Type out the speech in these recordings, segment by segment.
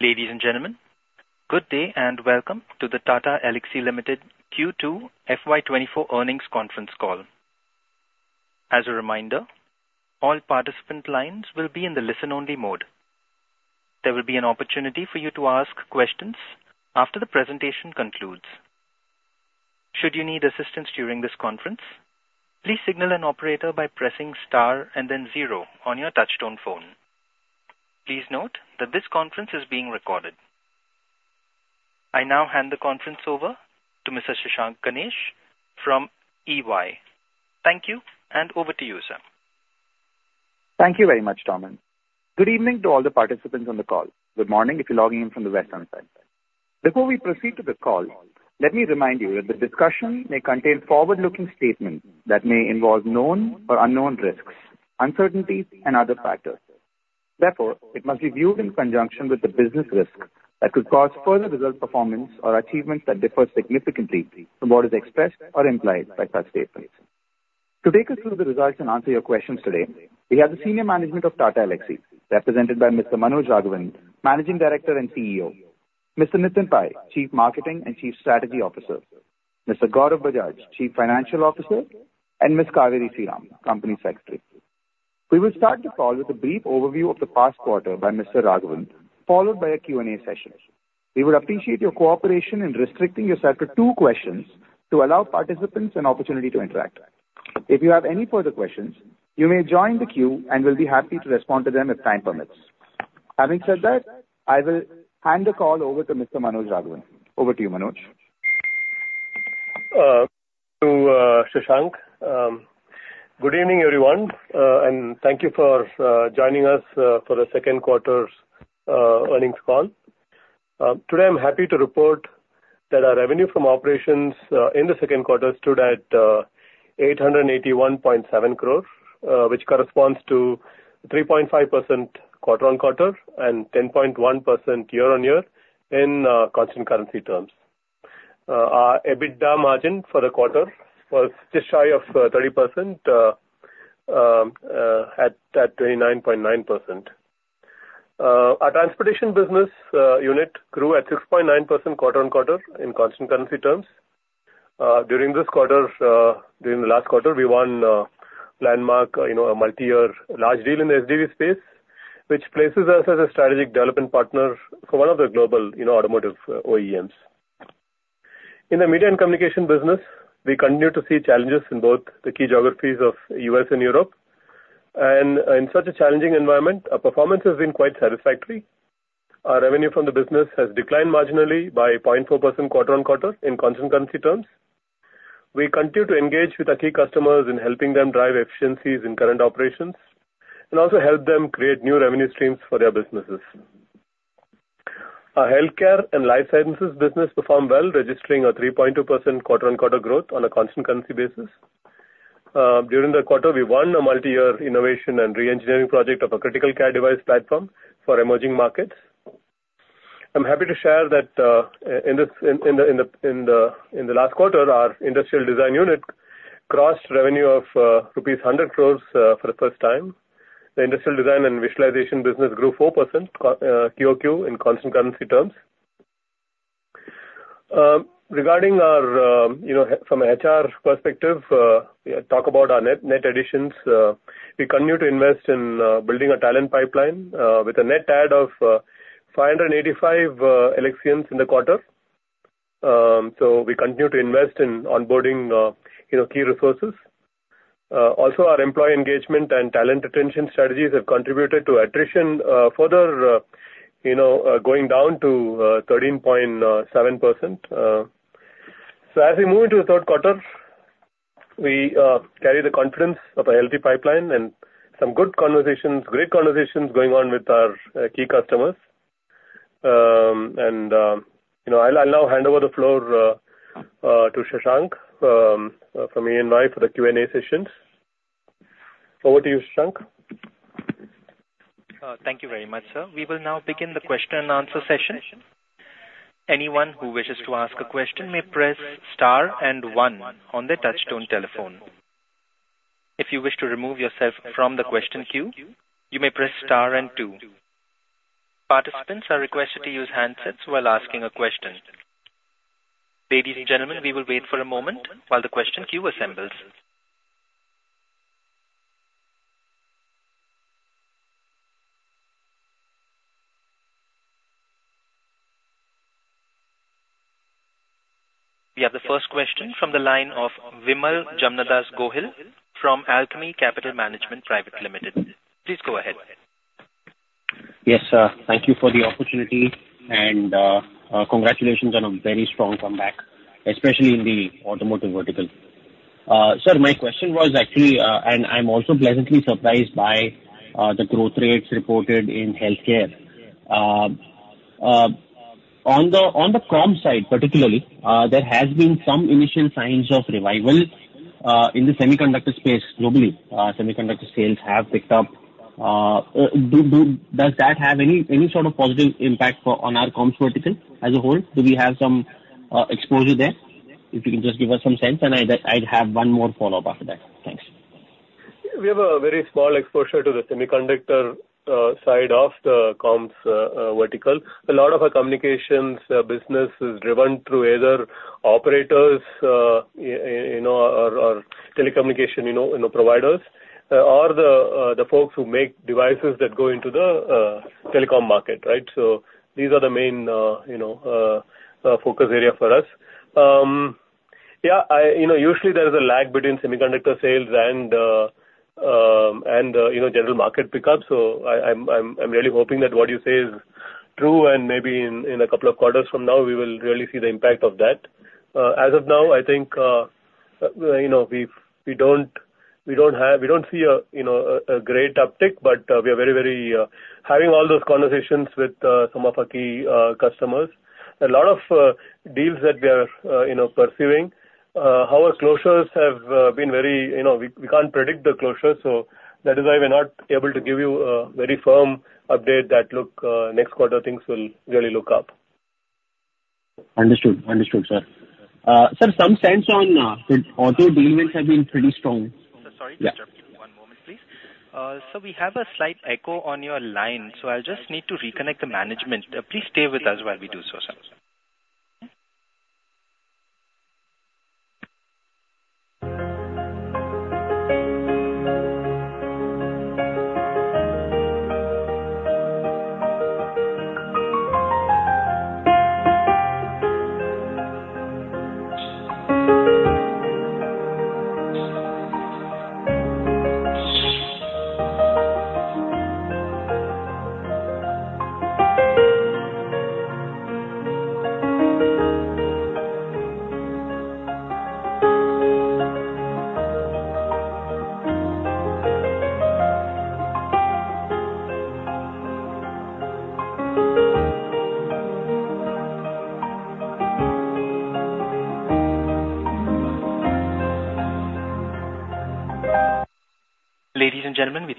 Ladies and gentlemen, good day, and welcome to the Tata Elxsi Limited Q2 FY 2024 earnings conference call. As a reminder, all participant lines will be in the listen-only mode. There will be an opportunity for you to ask questions after the presentation concludes. Should you need assistance during this conference, please signal an operator by pressing star and then zero on your touchtone phone. Please note that this conference is being recorded. I now hand the conference over to Mr. Shashank Ganesh from EY. Thank you, and over to you, sir. Thank you very much, Tomin. Good evening to all the participants on the call. Good morning, if you're logging in from the western side. Before we proceed to the call, let me remind you that the discussion may contain forward-looking statements that may involve known or unknown risks, uncertainties, and other factors. Therefore, it must be viewed in conjunction with the business risk that could cause further result performance or achievements that differ significantly from what is expressed or implied by such statements. To take us through the results and answer your questions today, we have the senior management of Tata Elxsi, represented by Mr. Manoj Raghavan, Managing Director and CEO; Mr. Nitin Pai, Chief Marketing and Chief Strategy Officer; Mr. Gaurav Bajaj, Chief Financial Officer; and Ms. Cauveri Sriram, Company Secretary. We will start the call with a brief overview of the past quarter by Mr. Raghavan, followed by a Q&A session. We would appreciate your cooperation in restricting yourself to two questions to allow participants an opportunity to interact. If you have any further questions, you may join the queue, and we'll be happy to respond to them if time permits. Having said that, I will hand the call over to Mr. Manoj Raghavan. Over to you, Manoj. To Shashank, good evening, everyone, and thank you for joining us for the Q2 earnings call. Today, I'm happy to report that our revenue from operations in the Q2 stood at 881.7 crore, which corresponds to 3.5% quarter-on-quarter and 10.1% year-on-year in constant currency terms. Our EBITDA margin for the quarter was just shy of 30% at 29.9%. Our transportation business unit grew at 6.9% quarter-on-quarter in constant currency terms. During this quarter, during the last quarter, we won, landmark, you know, a multi-year large deal in the SDV space, which places us as a strategic development partner for one of the global, you know, automotive OEMs. In the media and communication business, we continue to see challenges in both the key geographies of U.S. and Europe. In such a challenging environment, our performance has been quite satisfactory. Our revenue from the business has declined marginally by 0.4% quarter-on-quarter in constant currency terms. We continue to engage with our key customers in helping them drive efficiencies in current operations, and also help them create new revenue streams for their businesses. Our healthcare and life sciences business performed well, registering a 3.2% quarter-on-quarter growth on a constant currency basis. During the quarter, we won a multi-year innovation and reengineering project of a critical care device platform for emerging markets. I'm happy to share that, in the last quarter, our industrial design unit crossed revenue of rupees 100 crore for the first time. The industrial design and visualization business grew 4% QoQ in constant currency terms. Regarding our, you know, from an HR perspective, talk about our net additions. We continue to invest in building a talent pipeline with a net add of 585 Elxians in the quarter. So we continue to invest in onboarding, you know, key resources. Also, our employee engagement and talent retention strategies have contributed to attrition further, you know, going down to 13.7%. So as we move into the Q3, we carry the confidence of a healthy pipeline and some good conversations, great conversations going on with our key customers. And you know, I'll now hand over the floor to Shashank from EY for the Q&A sessions. Over to you, Shashank. Thank you very much, sir. We will now begin the question and answer session. Anyone who wishes to ask a question may press star and one on their touch-tone telephone. If you wish to remove yourself from the question queue, you may press star and two. Participants are requested to use handsets while asking a question. Ladies and gentlemen, we will wait for a moment while the question queue assembles. We have the first question from the line of Vimal Jamnadas Gohil from Alchemy Capital Management Private Limited. Please go ahead. Yes, sir. Thank you for the opportunity, and, congratulations on a very strong comeback, especially in the automotive vertical. Sir, my question was actually, and I'm also pleasantly surprised by the growth rates reported in healthcare. On the comms side particularly, there has been some initial signs of revival in the semiconductor space globally. Semiconductor sales have picked up. Does that have any sort of positive impact for, on our comms vertical as a whole? Do we have some exposure there? If you can just give us some sense, and I'd have one more follow-up after that. Thanks. We have a very small exposure to the semiconductor side of the comms vertical. A lot of our communications business is driven through either operators, you know, or telecommunication, you know, you know, providers, or the folks who make devices that go into the telecom market, right? So these are the main, you know, focus area for us. Yeah, I, you know, usually there is a lag between semiconductor sales and, you know, general market pickup. So I'm really hoping that what you say is true, and maybe in a couple of quarters from now, we will really see the impact of that. As of now, I think, you know, we don't see a, you know, a great uptick, but we are very having all those conversations with some of our key customers. A lot of deals that we are, you know, pursuing. Our closures have been very, you know, we can't predict the closures, so that is why we're not able to give you a very firm update that, look, next quarter, things will really look up. Understood. Understood, sir. Sir, some sense on auto deal wins have been pretty strong. Sir, sorry to interrupt you. One moment, please. Sir, we have a slight echo on your line, so I'll just need to reconnect the management. Please stay with us while we do so,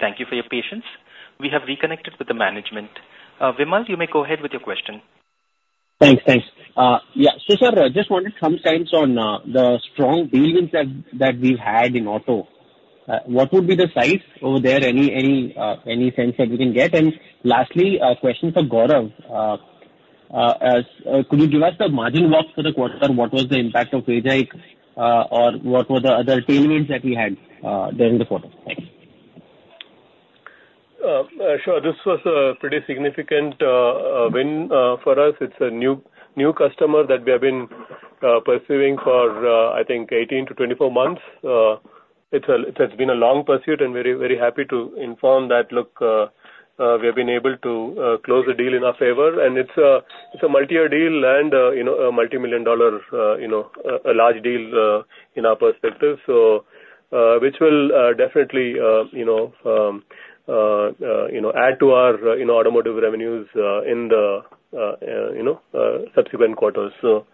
sir. Ladies and gentlemen, we thank you for your patience. We have reconnected with the management. Vimal, you may go ahead with your question. Thanks. Thanks. Yeah. So, sir, just wanted some sense on the strong deal wins that we've had in auto. What would be the size over there? Any sense that we can get? And lastly, a question for Gaurav. Could you give us the margin walks for the quarter? What was the impact of wage hike, or what were the other tailwinds that we had during the quarter? Thanks. Sure. This was a pretty significant win for us. It's a new customer that we have been pursuing for, I think, 18-24 months. It's been a long pursuit, and very happy to inform that, look, we've been able to close the deal in our favor. And it's a multi-year deal and, you know, a multi-million-dollar, you know, a large deal in our perspective, so which will definitely, you know, add to our, you know, automotive revenues in the, you know, subsequent quarters. So,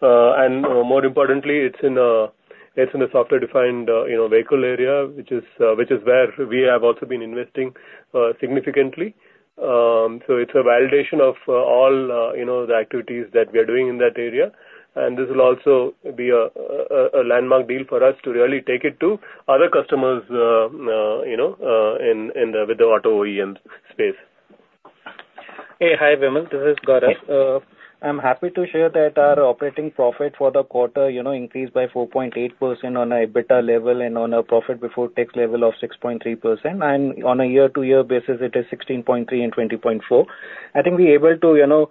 and more importantly, it's in a software-defined, you know, vehicle area, which is where we have also been investing significantly. So it's a validation of all, you know, the activities that we are doing in that area. And this will also be a landmark deal for us to really take it to other customers, you know, in the auto OEM space. Hey, hi, Vimal, this is Gaurav. Yeah. I'm happy to share that our operating profit for the quarter, you know, increased by 4.8% on a EBITDA level and on a profit before tax level of 6.3%, and on a year-to-year basis, it is 16.3% and 20.4%. I think we're able to, you know,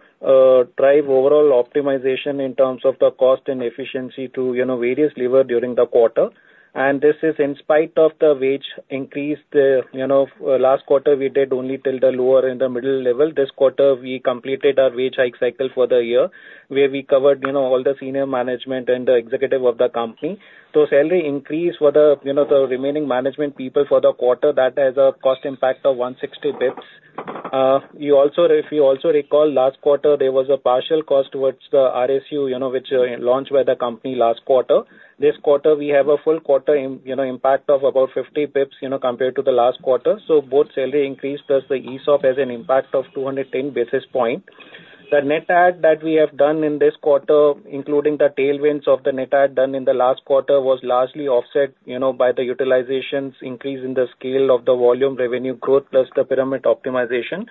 drive overall optimization in terms of the cost and efficiency to, you know, various levers during the quarter. And this is in spite of the wage increase, you know, last quarter, we did only till the lower and the middle level. This quarter, we completed our wage hike cycle for the year, where we covered, you know, all the senior management and the executive of the company. So salary increase for the, you know, the remaining management people for the quarter, that has a cost impact of 160 basis points. If you also recall, last quarter, there was a partial cost towards the RSU, you know, which launched by the company last quarter. This quarter, we have a full quarter impact of about 50 basis points, you know, compared to the last quarter. So both salary increase plus the ESOP has an impact of 210 basis points. The net add that we have done in this quarter, including the tailwinds of the net add done in the last quarter, was largely offset, you know, by the utilizations increase in the scale of the volume revenue growth, plus the pyramid optimization.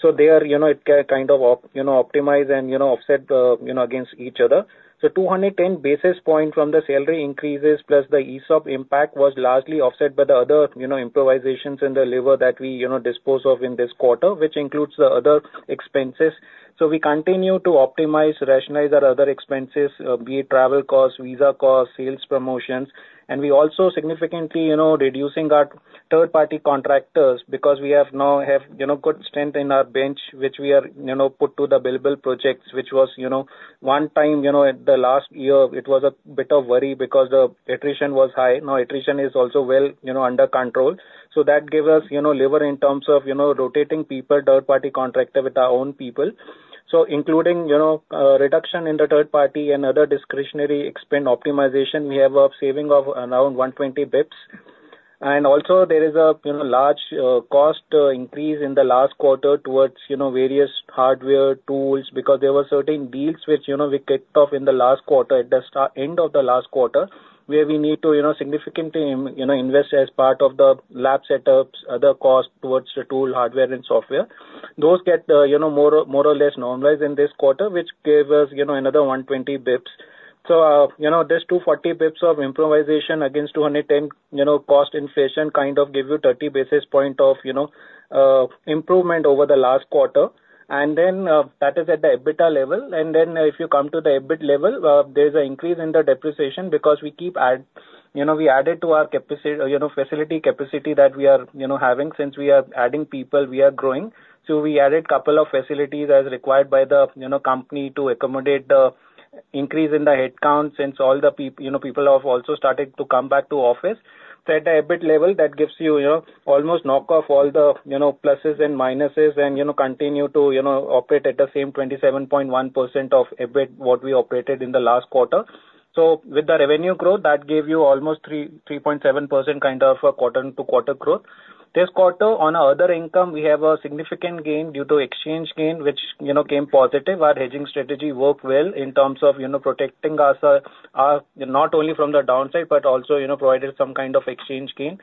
So there, you know, it kind of optimize and, you know, offset the, you know, against each other. So 210 basis points from the salary increases, plus the ESOP impact was largely offset by the other, you know, improvisations in the lever that we, you know, dispose of in this quarter, which includes the other expenses. So we continue to optimize, rationalize our other expenses, be it travel costs, visa costs, sales promotions. And we also significantly, you know, reducing our third-party contractors, because we have now good strength in our bench, which we are, you know, put to the billable projects, which was, you know, one time, you know, at the last year, it was a bit of worry because the attrition was high. Now, attrition is also well, you know, under control. So that gave us, you know, lever in terms of, you know, rotating people, third-party contractor with our own people. So including, you know, reduction in the third party and other discretionary expense optimization, we have a saving of around 120 bps. And also there is a, you know, large cost increase in the last quarter towards, you know, various hardware tools, because there were certain deals which, you know, we kicked off in the last quarter, at the end of the last quarter, where we need to, you know, significantly, you know, invest as part of the lab setups, other costs towards the tool, hardware, and software. Those get, you know, more, more or less normalized in this quarter, which gave us, you know, another 120 bps. So, you know, this 240 bps of improvisation against 210, you know, cost inflation kind of give you 30 basis point of, you know, improvement over the last quarter. That is at the EBITDA level. Then if you come to the EBIT level, there's an increase in the depreciation because we keep adding. You know, we added to our capacity. You know, facility capacity that we are having since we are adding people, we are growing. So we added couple of facilities as required by the, you know, company to accommodate the increase in the headcount since all the people. You know, people have also started to come back to office. So at the EBIT level, that gives you, you know, almost knock off all the, you know, pluses and minuses and, you know, continue to, you know, operate at the same 27.1% of EBIT, what we operated in the last quarter. So with the revenue growth, that gave you almost 3, 3.7% kind of a quarter-to-quarter growth. This quarter, on our other income, we have a significant gain due to exchange gain, which, you know, came positive. Our hedging strategy worked well in terms of, you know, protecting us, not only from the downside, but also, you know, provided some kind of exchange gain.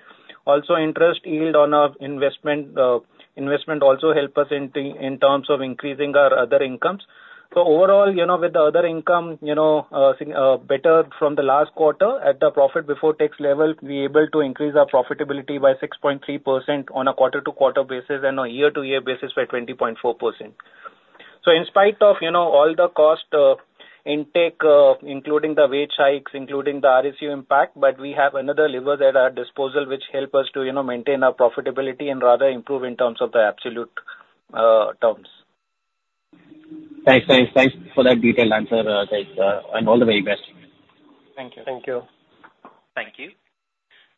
Also, interest yield on our investment, investment also help us in in terms of increasing our other incomes. So overall, you know, with the other income, you know, better from the last quarter at the profit before tax level, we able to increase our profitability by 6.3% on a quarter-to-quarter basis and on a year-to-year basis by 20.4%. So in spite of, you know, all the cost intake, including the wage hikes, including the RSU impact, but we have another lever at our disposal, which help us to, you know, maintain our profitability and rather improve in terms of the absolute terms. Thanks, thanks. Thanks for that detailed answer, guys, and all the very best. Thank you. Thank you. Thank you.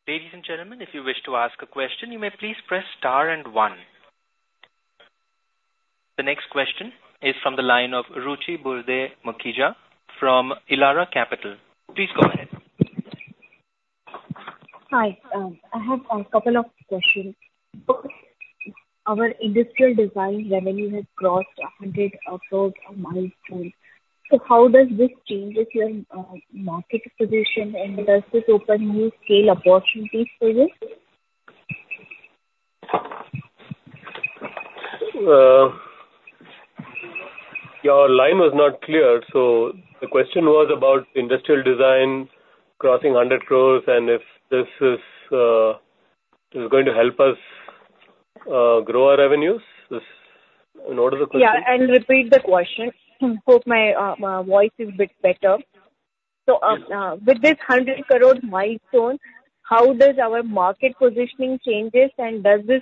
Ladies and gentlemen, if you wish to ask a question, you may please press star and one. The next question is from the line of Ruchi Burde Makhija from Elara Capital. Please go ahead. Hi. I have a couple of questions. Our industrial design revenue has crossed 100 crore milestone. So how does this change with your market position, and does this open new scale opportunity for you? Your line was not clear, so the question was about industrial design crossing 100 crore, and if this is going to help us grow our revenues? Is... What is the question? Yeah, I'll repeat the question. Hope my, my voice is a bit better. Yes. With this 100 crore milestone, how does our market positioning changes, and does this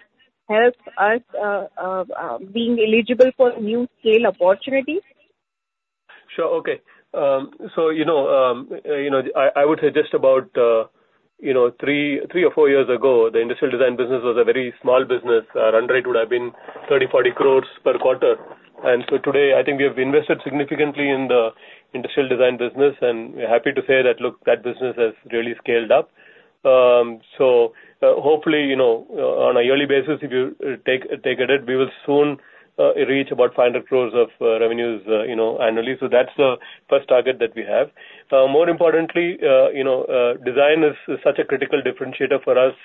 help us being eligible for new scale opportunities? Sure. Okay. So you know, you know, I would say just about, you know, three or four years ago, the industrial design business was a very small business. Our run rate would have been 30 crore-40 crore per quarter. And so today, I think we have invested significantly in the industrial design business, and we're happy to say that, look, that business has really scaled up. So, hopefully, you know, on a yearly basis, if you take a read, we will soon reach about 500 crore of revenues, you know, annually. So that's the first target that we have. More importantly, you know, design is such a critical differentiator for us,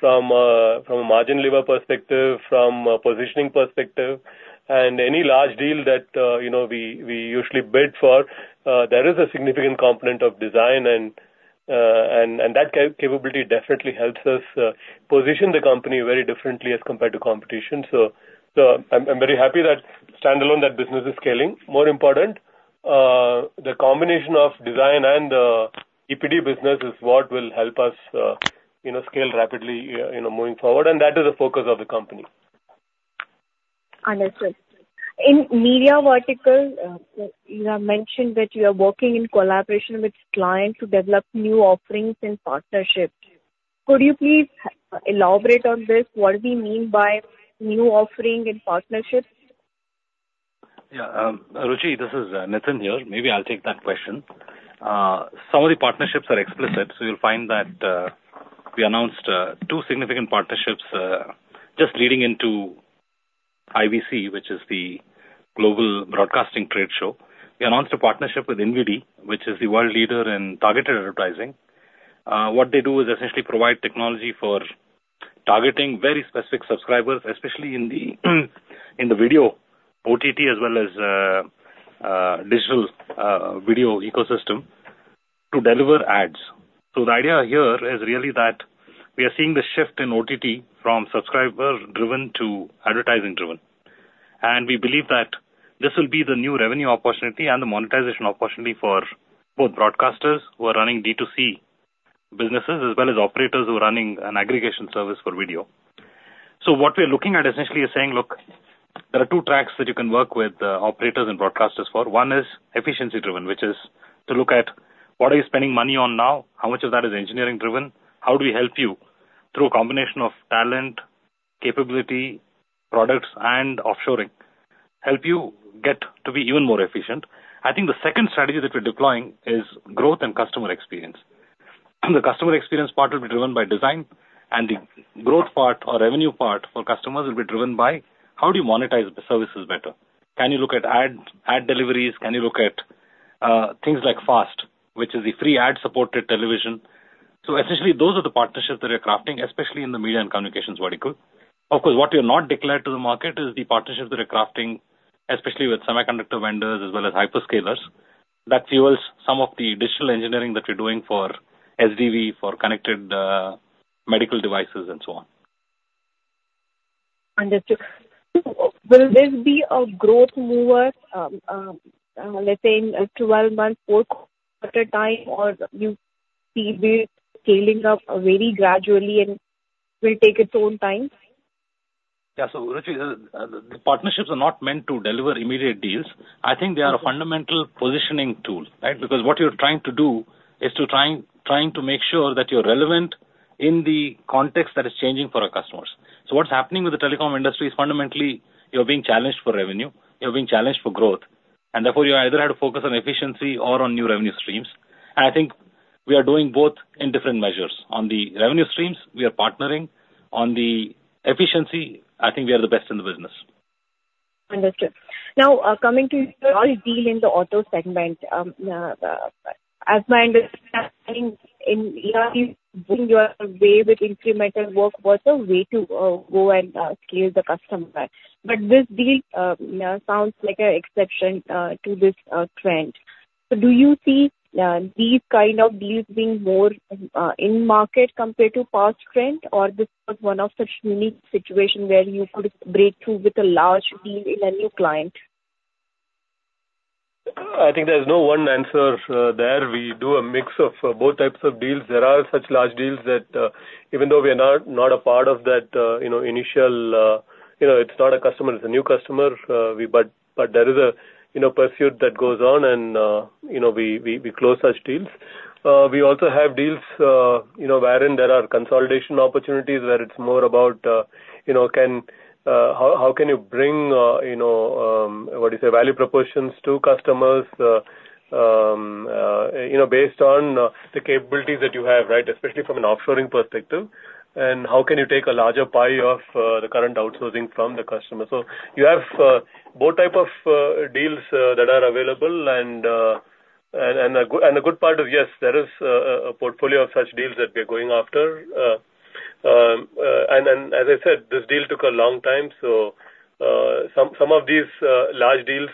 from a margin lever perspective, from a positioning perspective. Any large deal that, you know, we usually bid for, there is a significant component of design, and that capability definitely helps us position the company very differently as compared to competition. So I'm very happy that standalone, that business is scaling. More important, the combination of design and EPD business is what will help us, you know, scale rapidly, you know, moving forward, and that is the focus of the company. Understood. In media vertical, you have mentioned that you are working in collaboration with clients to develop new offerings and partnerships. Could you please elaborate on this? What do we mean by new offering and partnerships? Yeah, Ruchi, this is Nitin here. Maybe I'll take that question. Some of the partnerships are explicit, so you'll find that we announced two significant partnerships just leading into IBC, which is the global broadcasting trade show. We announced a partnership with INVIDI, which is the world leader in targeted advertising. What they do is essentially provide technology for targeting very specific subscribers, especially in the video OTT, as well as digital video ecosystem to deliver ads. So the idea here is really that we are seeing the shift in OTT from subscriber-driven to advertising-driven. And we believe that this will be the new revenue opportunity and the monetization opportunity for both broadcasters who are running D2C businesses, as well as operators who are running an aggregation service for video. So what we're looking at essentially is saying: Look, there are two tracks that you can work with, operators and broadcasters for. One is efficiency driven, which is to look at what are you spending money on now, how much of that is engineering driven? How do we help you through a combination of talent, capability, products, and offshoring, help you get to be even more efficient? I think the second strategy that we're deploying is growth and customer experience. The customer experience part will be driven by design, and the growth part or revenue part for customers will be driven by how do you monetize the services better? Can you look at ad, ad deliveries? Can you look at, things like FAST, which is the free ad-supported television?... So essentially, those are the partnerships that we're crafting, especially in the media and communications vertical. Of course, what we have not declared to the market is the partnerships that we're crafting, especially with semiconductor vendors as well as hyperscalers. That fuels some of the digital engineering that we're doing for SDV, for connected, medical devices, and so on. Understood. Will this be a growth mover, let's say, in a 12-month quarter time, or you see the scaling up very gradually and will take its own time? Yeah, so, Ruchi, the partnerships are not meant to deliver immediate deals. I think they are a fundamental positioning tool, right? Because what you're trying to do is trying to make sure that you're relevant in the context that is changing for our customers. So what's happening with the telecom industry is fundamentally you're being challenged for revenue, you're being challenged for growth, and therefore, you either have to focus on efficiency or on new revenue streams. And I think we are doing both in different measures. On the revenue streams, we are partnering. On the efficiency, I think we are the best in the business. Understood. Now, coming to your deal in the auto segment, as my understanding in doing your way with incremental work was a way to go and scale the customer. But this deal sounds like an exception to this trend. So do you see these kind of deals being more in market compared to past trend? Or this was one of such unique situation where you could break through with a large deal in a new client? I think there's no one answer there. We do a mix of both types of deals. There are such large deals that even though we are not a part of that, you know, initial, you know, it's not a customer, it's a new customer. But there is a you know, pursuit that goes on and you know, we close such deals. We also have deals you know, wherein there are consolidation opportunities, where it's more about you know, how can you bring you know, what you say, value propositions to customers you know, based on the capabilities that you have, right? Especially from an offshoring perspective. And how can you take a larger pie of the current outsourcing from the customer? So you have both type of deals that are available, and a good part of, yes, there is a portfolio of such deals that we're going after. And then as I said, this deal took a long time, so some of these large deals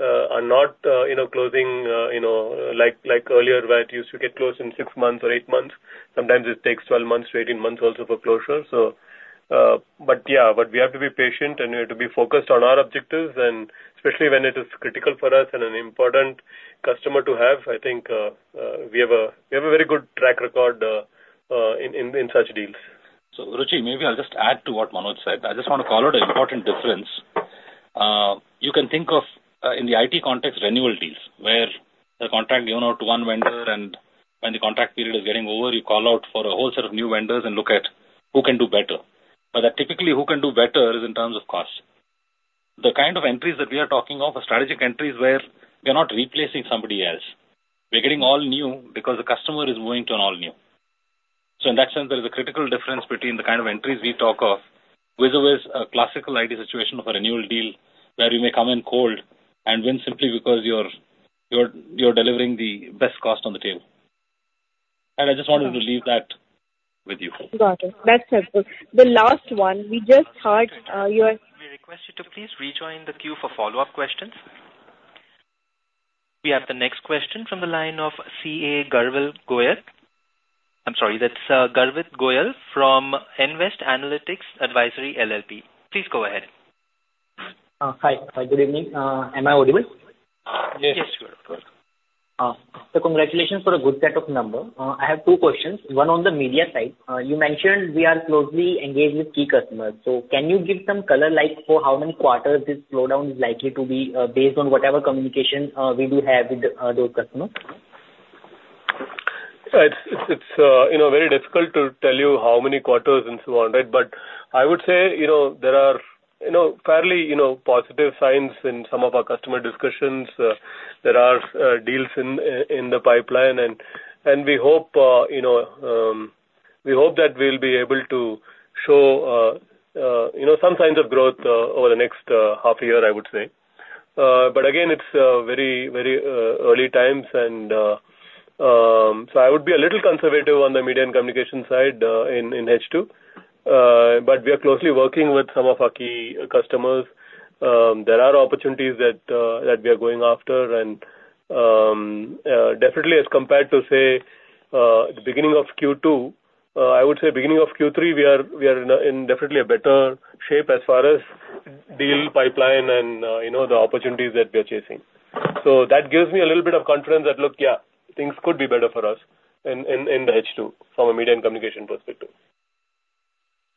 are not, you know, closing, you know, like earlier, where it used to get closed in six months or eight months. Sometimes it takes 12-18 months also for closure. So, but yeah, but we have to be patient, and we have to be focused on our objectives, and especially when it is critical for us and an important customer to have. I think we have a very good track record in such deals. So, Ruchi, maybe I'll just add to what Manoj said. I just want to call out an important difference. You can think of, in the IT context, renewal deals, where the contract given out to one vendor, and when the contract period is getting over, you call out for a whole set of new vendors and look at who can do better. But typically, who can do better is in terms of cost. The kind of entries that we are talking of are strategic entries where we are not replacing somebody else. We're getting all new because the customer is moving to an all new. So in that sense, there is a critical difference between the kind of entries we talk of versus a classical IT situation of a renewal deal, where you may come in cold and win simply because you're delivering the best cost on the table. And I just wanted to leave that with you. Got it. That's helpful. The last one, we just heard, you are- We request you to please rejoin the queue for follow-up questions. We have the next question from the line of CA Garvit Goyal. I'm sorry, that's Garvit Goyal from Nvest Analytics Advisory LLP. Please go ahead. Hi. Good evening. Am I audible? Yes. Yes, sure. So congratulations for a good set of number. I have two questions, one on the media side. You mentioned we are closely engaged with key customers. So can you give some color, like, for how many quarters this slowdown is likely to be, based on whatever communication we do have with those customers? It's, you know, very difficult to tell you how many quarters and so on, right? But I would say, you know, there are, you know, fairly, you know, positive signs in some of our customer discussions. There are deals in the pipeline, and we hope, you know, that we'll be able to show, you know, some signs of growth over the next half year, I would say. But again, it's very, very early times, and so I would be a little conservative on the media and communication side in H2. But we are closely working with some of our key customers. There are opportunities that we are going after. Definitely as compared to, say, the beginning of Q2, I would say beginning of Q3, we are definitely in a better shape as far as deal pipeline and, you know, the opportunities that we are chasing. So that gives me a little bit of confidence that, look, yeah, things could be better for us in the H2 from a media and communication perspective.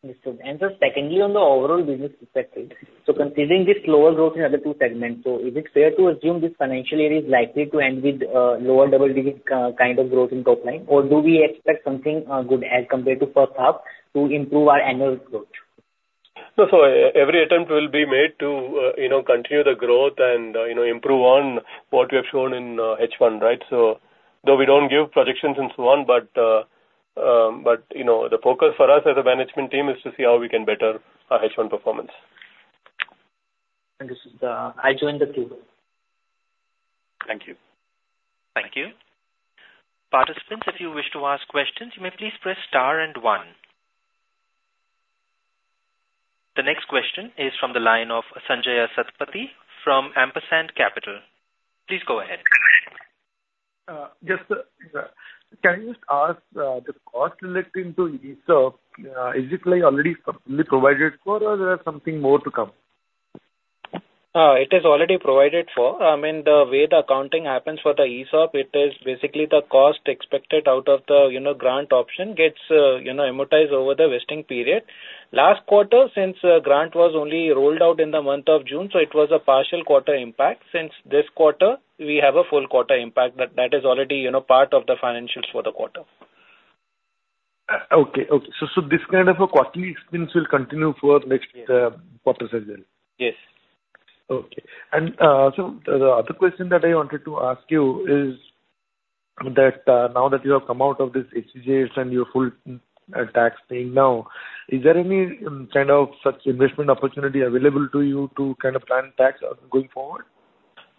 Understood. And just secondly, on the overall business perspective. So considering this slower growth in other two segments, so is it fair to assume this financial year is likely to end with lower double-digit kind of growth in top line? Or do we expect something good as compared to first half to improve our annual growth? No, so every attempt will be made to, you know, continue the growth and, you know, improve on what we have shown in H1, right? So though we don't give projections and so on, but you know, the focus for us as a management team is to see how we can better our H1 performance.... And this is the, I joined the team. Thank you. Thank you. Participants, if you wish to ask questions, you may please press star and one. The next question is from the line of Sanjaya Satapathy from Ampersand Capital. Please go ahead. Yes, sir. Can you just ask the cost relating to ESOP, is it like already fully provided for, or there is something more to come? It is already provided for. I mean, the way the accounting happens for the ESOP, it is basically the cost expected out of the, you know, grant option gets, you know, amortized over the vesting period. Last quarter, since grant was only rolled out in the month of June, so it was a partial quarter impact. Since this quarter, we have a full quarter impact, but that is already, you know, part of the financials for the quarter. Okay, okay. So, so this kind of a quarterly expense will continue for next quarters as well? Yes. Okay. And, so the other question that I wanted to ask you is that, now that you have come out of the SEZ and you're full tax paying now, is there any kind of such investment opportunity available to you to kind of plan tax going forward?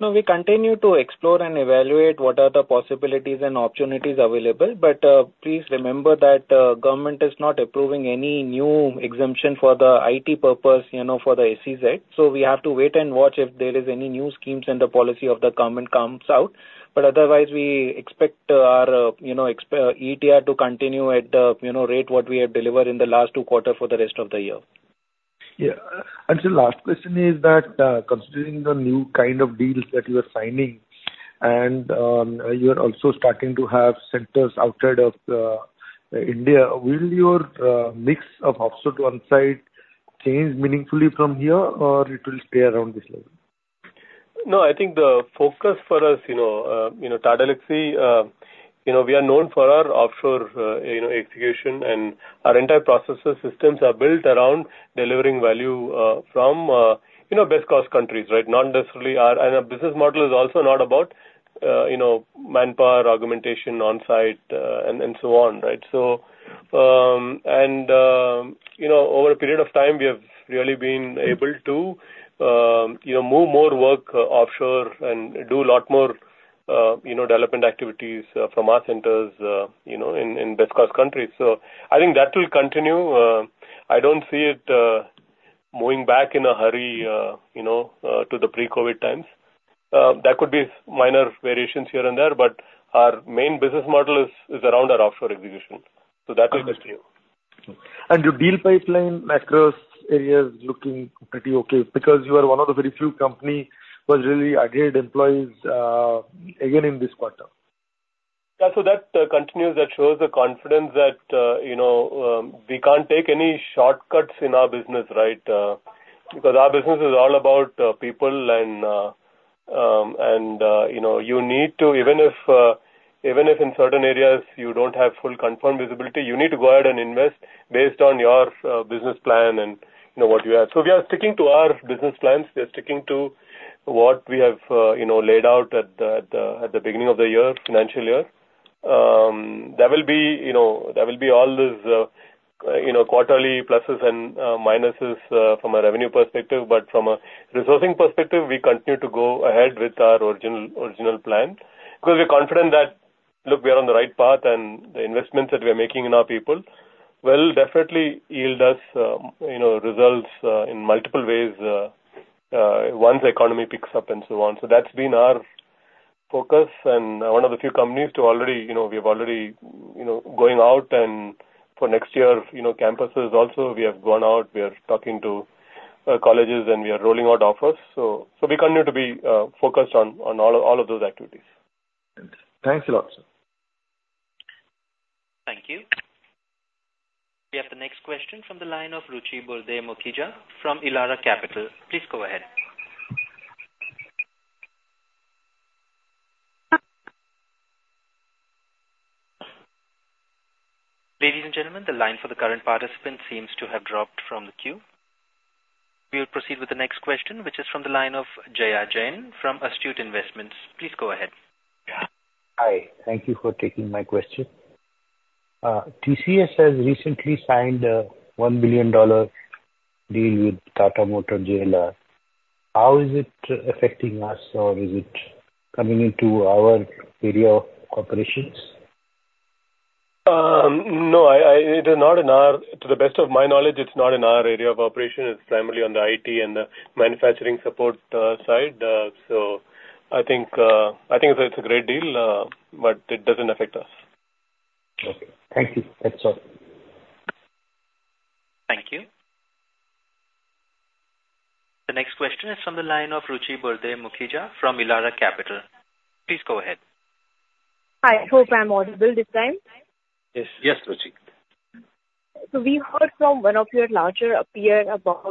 No, we continue to explore and evaluate what are the possibilities and opportunities available. But please remember that government is not approving any new exemption for the IT purpose, you know, for the SEZ. So we have to wait and watch if there is any new schemes and the policy of the government comes out. But otherwise, we expect our, you know, ETR to continue at the, you know, rate what we have delivered in the last two quarters for the rest of the year. Yeah. The last question is that, considering the new kind of deals that you are signing and you are also starting to have centers outside of India, will your mix of offshore to on-site change meaningfully from here, or it will stay around this level? No, I think the focus for us, you know, you know, Tata Elxsi, you know, we are known for our offshore, you know, execution, and our entire processes systems are built around delivering value, from, you know, best cost countries, right? Not necessarily our... And our business model is also not about, you know, manpower, augmentation, on-site, and, and so on, right? So, and, you know, over a period of time, we have really been able to, you know, move more work offshore and do a lot more, you know, development activities from our centers, you know, in, in best cost countries. So I think that will continue. I don't see it, moving back in a hurry, you know, to the pre-COVID times. There could be minor variations here and there, but our main business model is around our offshore execution. So that will stay. Your deal pipeline across areas is looking pretty okay because you are one of the very few company who has really added employees, again, in this quarter. Yeah, so that continues. That shows the confidence that, you know, we can't take any shortcuts in our business, right? Because our business is all about people and, you know, you need to. Even if, even if in certain areas you don't have full confirmed visibility, you need to go ahead and invest based on your business plan and, you know, what you have. So we are sticking to our business plans. We are sticking to what we have, you know, laid out at the beginning of the year, financial year. There will be, you know, there will be all these, you know, quarterly pluses and minuses from a revenue perspective. But from a resourcing perspective, we continue to go ahead with our original, original plan, because we're confident that, look, we are on the right path, and the investments that we are making in our people will definitely yield us, you know, results, in multiple ways, once the economy picks up and so on. So that's been our focus, and one of the few companies to already, you know, we have already, you know, going out and for next year, you know, campuses also, we have gone out, we are talking to, colleges, and we are rolling out offers. So, so we continue to be, focused on, on all, all of those activities. Thanks. Thanks a lot, sir. Thank you. We have the next question from the line of Ruchi Burde Makhija from Elara Capital. Please go ahead. Ladies and gentlemen, the line for the current participant seems to have dropped from the queue. We will proceed with the next question, which is from the line of Ajaya Jain from Astute Investment. Please go ahead. Hi. Thank you for taking my question. TCS has recently signed a $1 billion deal with Tata Motors JLR. How is it affecting us, or is it coming into our area of operations? No, it is not in our... To the best of my knowledge, it's not in our area of operation. It's primarily on the IT and the manufacturing support side. So, I think it's a great deal, but it doesn't affect us. Okay. Thank you. That's all. Thank you. The next question is from the line of Ruchi Burde Makhija from Elara Capital. Please go ahead. Hi, hope I'm audible this time. Yes. Yes, Ruchi. So we heard from one of your larger peer about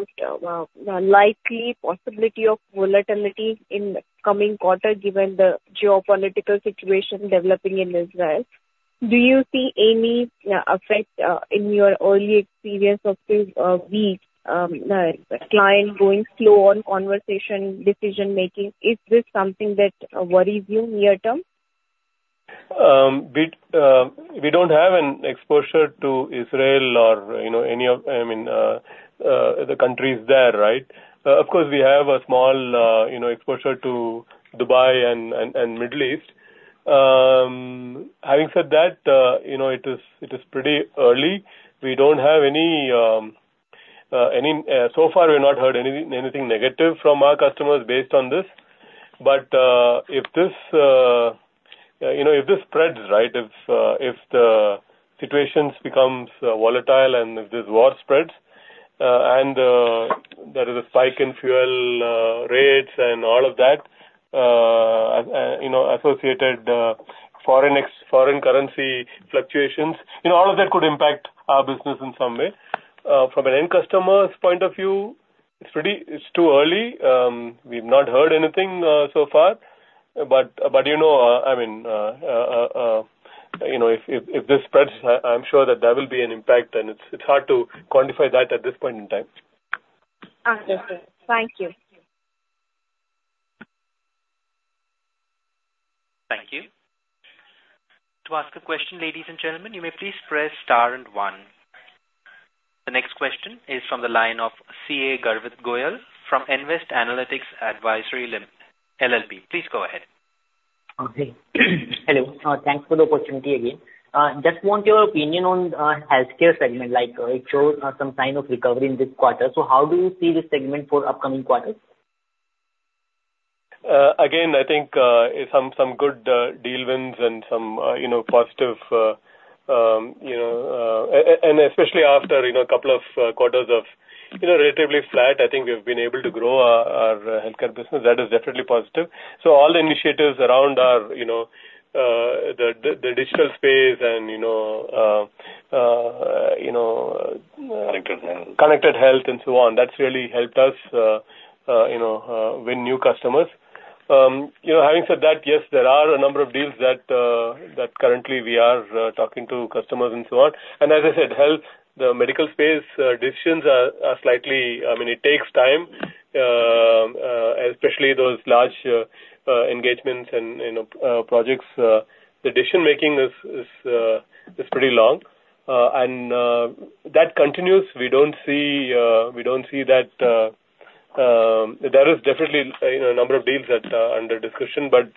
likely possibility of volatility in the coming quarter, given the geopolitical situation developing in Israel. Do you see any effect in your early experience of these weeks, client going slow on conversation, decision-making? Is this something that worries you near term?... we don't have an exposure to Israel or, you know, any of, I mean, the countries there, right? Of course, we have a small, you know, exposure to Dubai and Middle East. Having said that, you know, it is pretty early. We don't have any... So far, we've not heard anything negative from our customers based on this. But, if this, you know, if this spreads, right, if the situation becomes volatile and if this war spreads, and there is a spike in fuel rates and all of that, you know, associated foreign currency fluctuations, you know, all of that could impact our business in some way. From an end customer's point of view, it's too early. We've not heard anything so far, but you know, I mean, you know, if this spreads, I'm sure that there will be an impact, and it's hard to quantify that at this point in time. Understood. Thank you. Thank you. To ask a question, ladies and gentlemen, you may please press star and one. The next question is from the line of CA Garvit Goyal from Nvest Analytics Advisory LLP. Please go ahead. Okay. Hello, thanks for the opportunity again. Just want your opinion on, healthcare segment. Like, it shows some sign of recovery in this quarter. So how do you see this segment for upcoming quarters? Again, I think some good deal wins and some you know positive and especially after you know a couple of quarters of you know relatively flat, I think we've been able to grow our healthcare business. That is definitely positive. So all the initiatives around our you know the digital space and you know you know. Connected health. Connected health and so on, that's really helped us, you know, win new customers. You know, having said that, yes, there are a number of deals that currently we are talking to customers and so on. And as I said, health, the medical space, decisions are slightly. I mean, it takes time, especially those large engagements and, you know, projects. The decision-making is pretty long, and that continues. We don't see that there is definitely, you know, a number of deals that are under discussion, but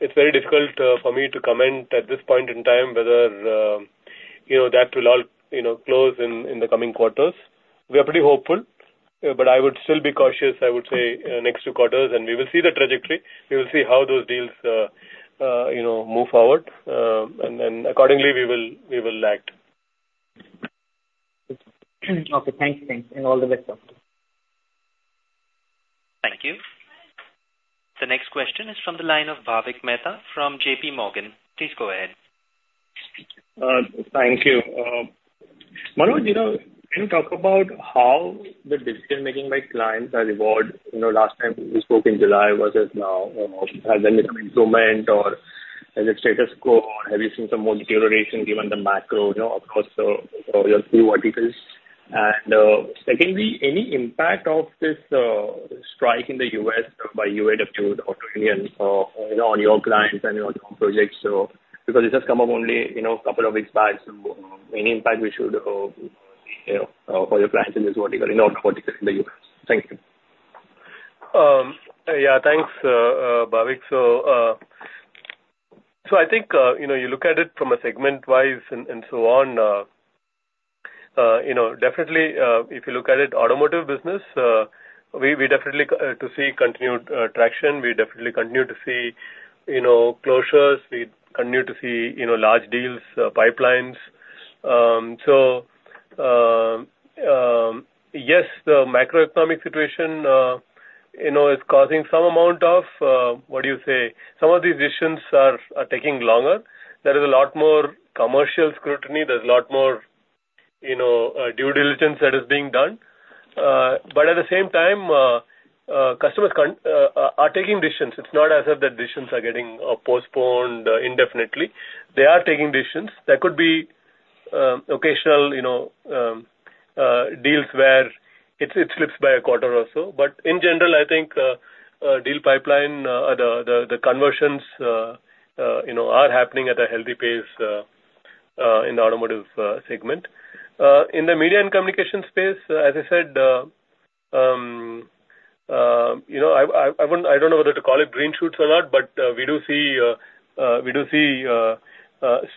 it's very difficult for me to comment at this point in time, whether you know, that will all, you know, close in the coming quarters. We are pretty hopeful, but I would still be cautious, I would say, next two quarters, and we will see the trajectory. We will see how those deals, you know, move forward, and then accordingly, we will act. Okay. Thanks, thanks, and all the best. Thank you. The next question is from the line of Bhavik Mehta from JPMorgan. Please go ahead. Thank you. Manoj, you know, can you talk about how the decision-making by clients are evolved? You know, last time we spoke in July, was it, has there been improvement or has it status quo, or have you seen some more deterioration given the macro, you know, across your key verticals? And secondly, any impact of this strike in the U.S. by UAW auto unions, you know, on your clients and on your projects? So, because it has come up only, you know, a couple of weeks back, so, any impact we should, you know, for your clients in this vertical, in all verticals in the U.S. Thank you. Yeah, thanks, Bhavik. So, I think, you know, you look at it from a segment-wise and so on, you know, definitely, if you look at it, automotive business, we definitely continue to see continued traction. We definitely continue to see, you know, closures. We continue to see, you know, large deals, pipelines. So, yes, the macroeconomic situation, you know, is causing some amount of, what do you say? Some of these decisions are taking longer. There is a lot more commercial scrutiny. There's a lot more, you know, due diligence that is being done. But at the same time, customers are taking decisions. It's not as if the decisions are getting postponed indefinitely. They are taking decisions. There could be occasional, you know, deals where it slips by a quarter or so. But in general, I think deal pipeline the conversions you know are happening at a healthy pace in the automotive segment. In the media and communication space, as I said, you know, I wouldn't- I don't know whether to call it green shoots or not, but we do see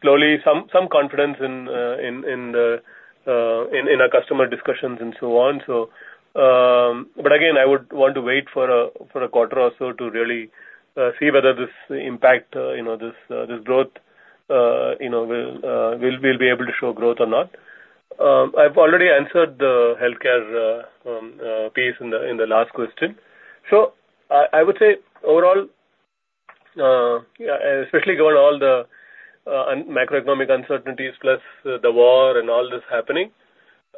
slowly some confidence in our customer discussions and so on, so. But again, I would want to wait for a quarter or so to really see whether this impact, you know, this growth, you know, we'll be able to show growth or not. I've already answered the healthcare piece in the last question. So I would say overall, especially given all the macroeconomic uncertainties, plus the war and all this happening,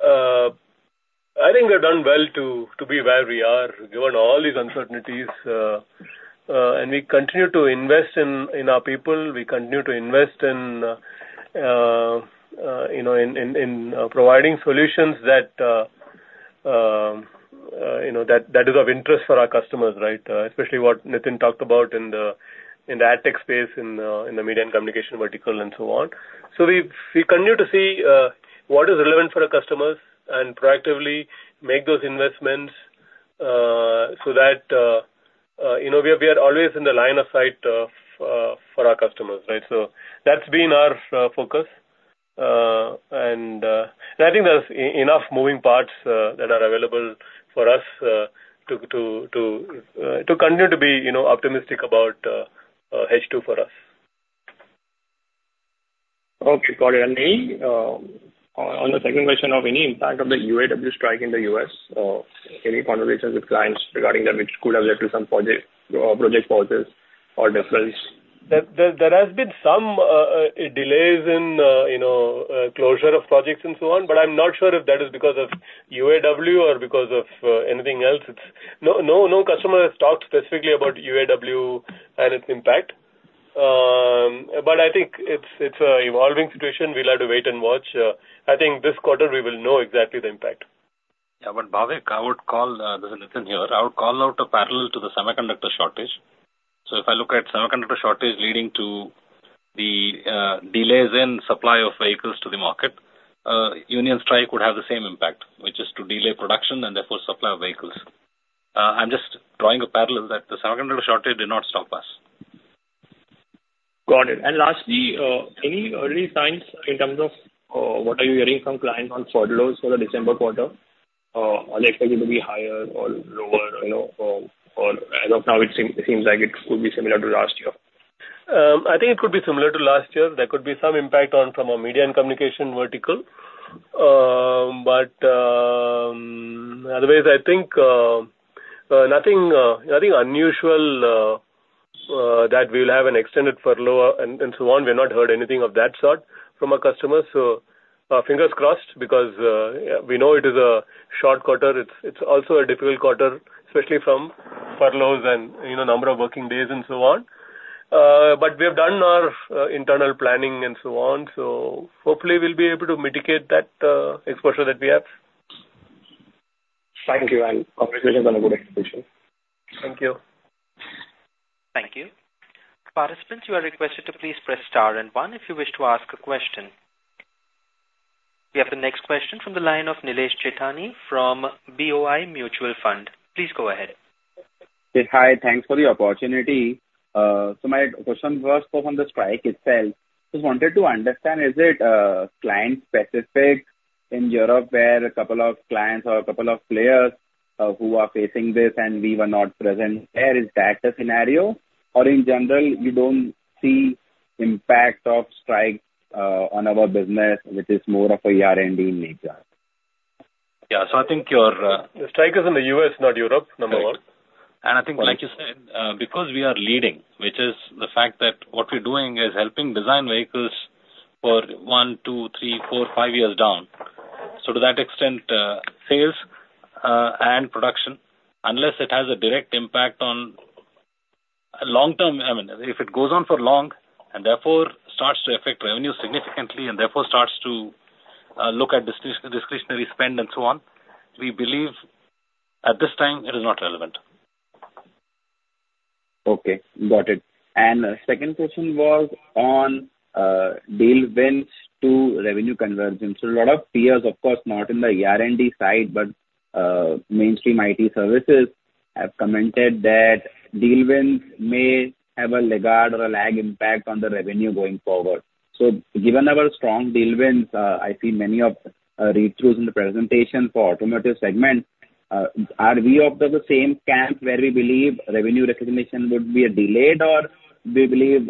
I think we've done well to be where we are, given all these uncertainties, and we continue to invest in our people. We continue to invest in you know, in providing solutions that you know, that is of interest for our customers, right? Especially what Nitin talked about in the ad tech space, in the media and communication vertical, and so on. So we continue to see what is relevant for our customers and proactively make those investments so that you know, we are always in the line of sight for our customers, right? So that's been our focus. And I think there's enough moving parts that are available for us to continue to be you know, optimistic about H2 for us. Okay, got it. And any on the second question of any impact of the UAW strike in the U.S., any conversations with clients regarding that which could have led to some project pauses or delays? There has been some delays in, you know, closure of projects and so on, but I'm not sure if that is because of UAW or because of anything else. No customer has talked specifically about UAW and its impact. But I think it's an evolving situation. We'll have to wait and watch. I think this quarter we will know exactly the impact. Yeah, but Bhavik, I would call, this is Nitin here. I would call out a parallel to the semiconductor shortage. So if I look at semiconductor shortage leading to the delays in supply of vehicles to the market, union strike would have the same impact, which is to delay production and therefore supply of vehicles. I'm just drawing a parallel that the semiconductor shortage did not stop us. Got it. And lastly, any early signs in terms of what are you hearing from clients on furloughs for the December quarter? Are they expected to be higher or lower, you know, or as of now, it seems like it could be similar to last year. I think it could be similar to last year. There could be some impact on from a media and communication vertical. But otherwise, I think nothing unusual that we'll have an extended furlough and so on. We've not heard anything of that sort from our customers. So fingers crossed, because we know it is a short quarter. It's also a difficult quarter, especially from furloughs and, you know, number of working days and so on. But we have done our internal planning and so on. So hopefully we'll be able to mitigate that exposure that we have. Thank you, and congratulations on a good execution. Thank you. Thank you. Participants, you are requested to please press star and one if you wish to ask a question. We have the next question from the line of Nilesh Jethani from BOI AXA Mutual Fund. Please go ahead. Hi, thanks for the opportunity. So my question was from the strike itself. Just wanted to understand, is it client specific in Europe, where a couple of clients or a couple of players who are facing this and we were not present there? Is that the scenario? Or in general, you don't see impact of strike on our business, which is more of a R&D nature? Yeah. So I think your- The strike is in the U.S., not Europe, number one. Right. And I think, like you said, because we are leading, which is the fact that what we're doing is helping design vehicles for one, two, three, four, five years down. So to that extent, sales and production, unless it has a direct impact on long-term. I mean, if it goes on for long and therefore starts to affect revenue significantly and therefore starts to look at discretionary spend and so on, we believe at this time it is not relevant. Okay, got it. Second question was on deal wins to revenue convergence. A lot of peers, of course, not in the R&D side, but mainstream IT services, have commented that deal wins may have a laggard or a lag impact on the revenue going forward. Given our strong deal wins, I see many read-throughs in the presentation for automotive segment. Are we of the same camp where we believe revenue recognition would be delayed, or do you believe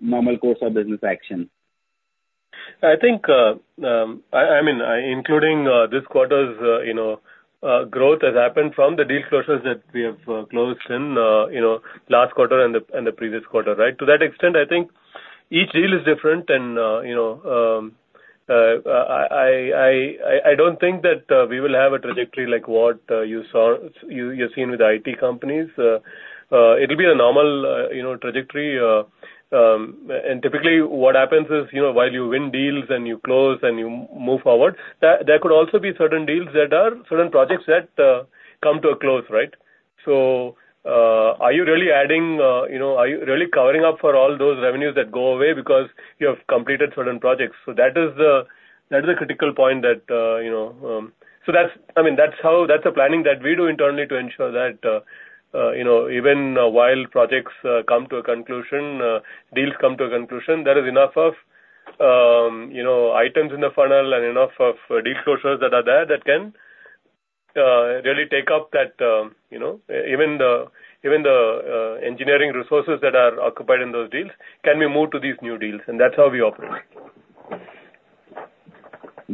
normal course of business action? I think, I mean, including this quarter's, you know, growth has happened from the deal closures that we have closed in, you know, last quarter and the, and the previous quarter, right? To that extent, I think each deal is different and, you know, I don't think that we will have a trajectory like what you've seen with the IT companies. It'll be a normal, you know, trajectory. And typically, what happens is, you know, while you win deals and you close and you move forward, there could also be certain deals that are certain projects that come to a close, right? So, are you really adding, you know, are you really covering up for all those revenues that go away because you have completed certain projects? That is the critical point that, you know. That's, I mean, that's how, that's the planning that we do internally to ensure that, you know, even while projects come to a conclusion, deals come to a conclusion, there is enough of, you know, items in the funnel and enough of deal closures that are there that can really take up that, you know, even the engineering resources that are occupied in those deals can be moved to these new deals, and that's how we operate.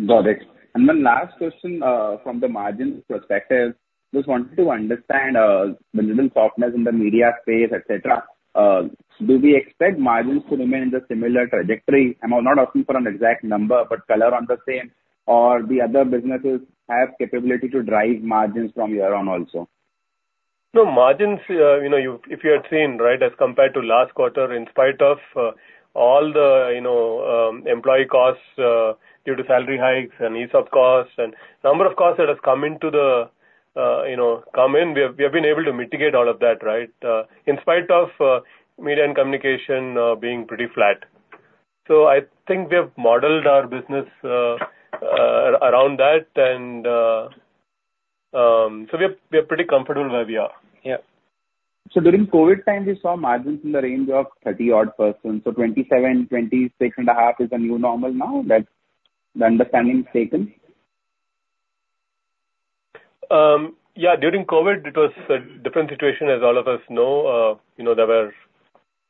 Got it. And my last question, from the margins perspective, just wanted to understand, the little softness in the media space, et cetera. Do we expect margins to remain in the similar trajectory? I'm not asking for an exact number, but color on the same, or the other businesses have capability to drive margins from year on also?... No margins, you know, if, if you had seen, right, as compared to last quarter, in spite of, all the, you know, employee costs, due to salary hikes and ESOP costs and number of costs that have come into the, you know, come in, we have, we have been able to mitigate all of that, right? In spite of, media and communication, being pretty flat. So I think we have modeled our business, around that and, so we are, we are pretty comfortable where we are. Yeah. During COVID time, we saw margins in the range of 30-odd%. So 27%, 26.5% is the new normal now? That's the understanding taken? Yeah, during COVID, it was a different situation, as all of us know. You know, there were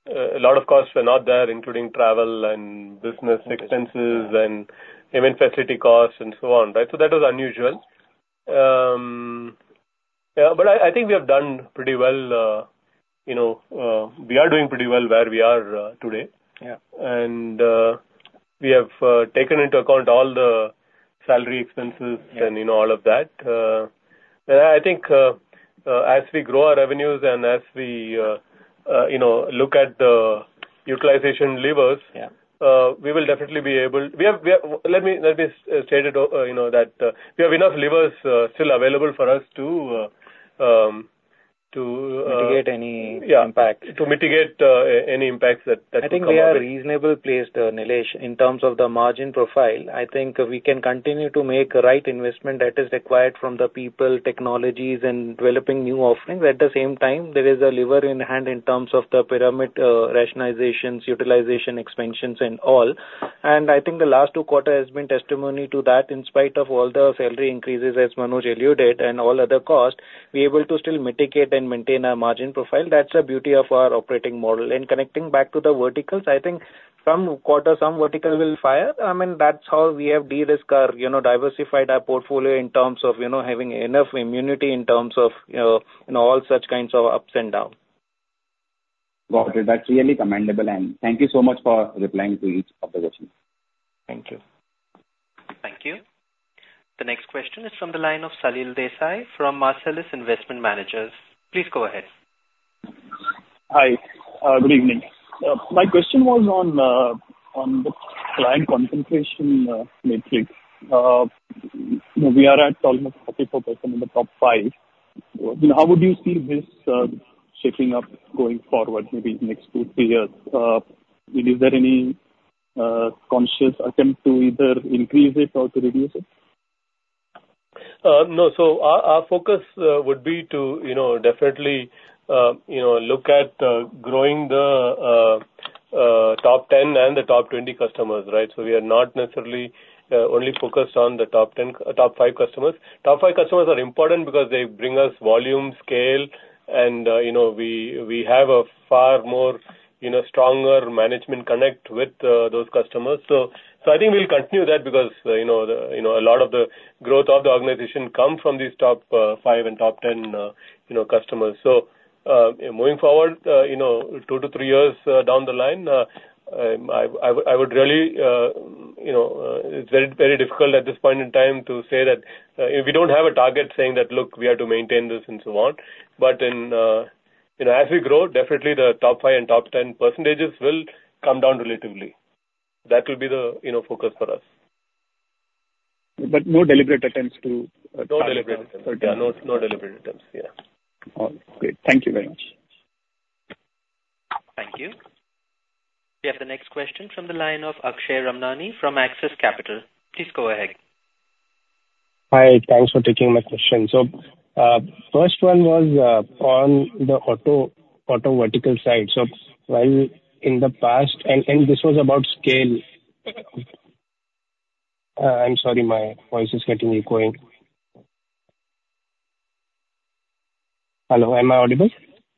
a lot of costs were not there, including travel and business expenses and event facility costs and so on, right? So that was unusual. Yeah, but I think we have done pretty well. You know, we are doing pretty well where we are today. Yeah. We have taken into account all the salary expenses and, you know, all of that. But I think, as we grow our revenues and as we, you know, look at the utilization levers- Yeah We will definitely be able. We have—let me state it, you know, that we have enough levers still available for us to. Mitigate any impact. Yeah, to mitigate any impacts that will come up. I think we are reasonably placed, Nilesh, in terms of the margin profile. I think we can continue to make the right investment that is required from the people, technologies, and developing new offerings. At the same time, there is a lever in hand in terms of the pyramid, rationalizations, utilization, expansions, and all. I think the last two quarters has been testimony to that. In spite of all the salary increases, as Manoj alluded, and all other costs, we are able to still mitigate and maintain our margin profile. That's the beauty of our operating model. Connecting back to the verticals, I think some quarter, some vertical will fire. I mean, that's how we have de-risked our, you know, diversified our portfolio in terms of, you know, having enough immunity in terms of, you know, in all such kinds of ups and down. Got it. That's really commendable, and thank you so much for replying to each of the questions. Thank you. Thank you. The next question is from the line of Salil Desai from Marcellus Investment Managers. Please go ahead. Hi. Good evening. My question was on the client concentration matrix. We are at almost 44% in the top five. How would you see this shaping up going forward, maybe next two, three years? Is there any conscious attempt to either increase it or to reduce it? No. So our focus would be to, you know, definitely, you know, look at growing the top 10 and the top 20 customers, right? So we are not necessarily only focused on the top 10, top 5 customers. Top five customers are important because they bring us volume, scale, and, you know, we have a far more, you know, stronger management connect with those customers. So I think we'll continue that because, you know, the, you know, a lot of the growth of the organization comes from these top five and top 10, you know, customers. So, moving forward, you know, two-three years down the line, I would really, you know, it's very, very difficult at this point in time to say that, if we don't have a target, saying that, "Look, we have to maintain this," and so on. But in, you know, as we grow, definitely the top 5 and top 10 percentages will come down relatively. That will be the, you know, focus for us. But no deliberate attempts to- No deliberate attempts. Yeah, no, no deliberate attempts. Yeah. All great. Thank you very much. Thank you. We have the next question from the line of Akshay Ramnani from Axis Capital. Please go ahead. Hi. Thanks for taking my question. So, first one was on the auto vertical side. So while in the past... this was about scale. I'm sorry, my voice is getting echoing. Hello, am I audible?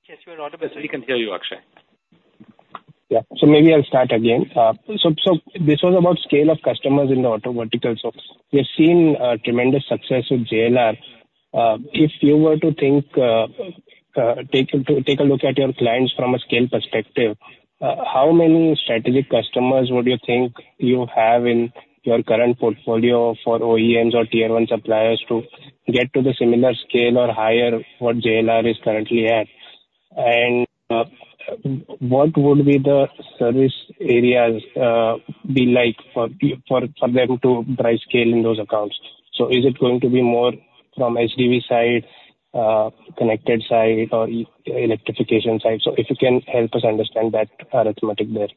Yes, you are audible. We can hear you, Akshay. Yeah. So maybe I'll start again. So this was about scale of customers in the auto vertical. So we've seen tremendous success with JLR. If you were to think, take a look at your clients from a scale perspective, how many strategic customers would you think you have in your current portfolio for OEMs or Tier One suppliers to get to the similar scale or higher what JLR is currently at? And, what would be the service areas be like for them to drive scale in those accounts? So is it going to be more from HGV side, connected side or electrification side? So if you can help us understand that arithmetic there.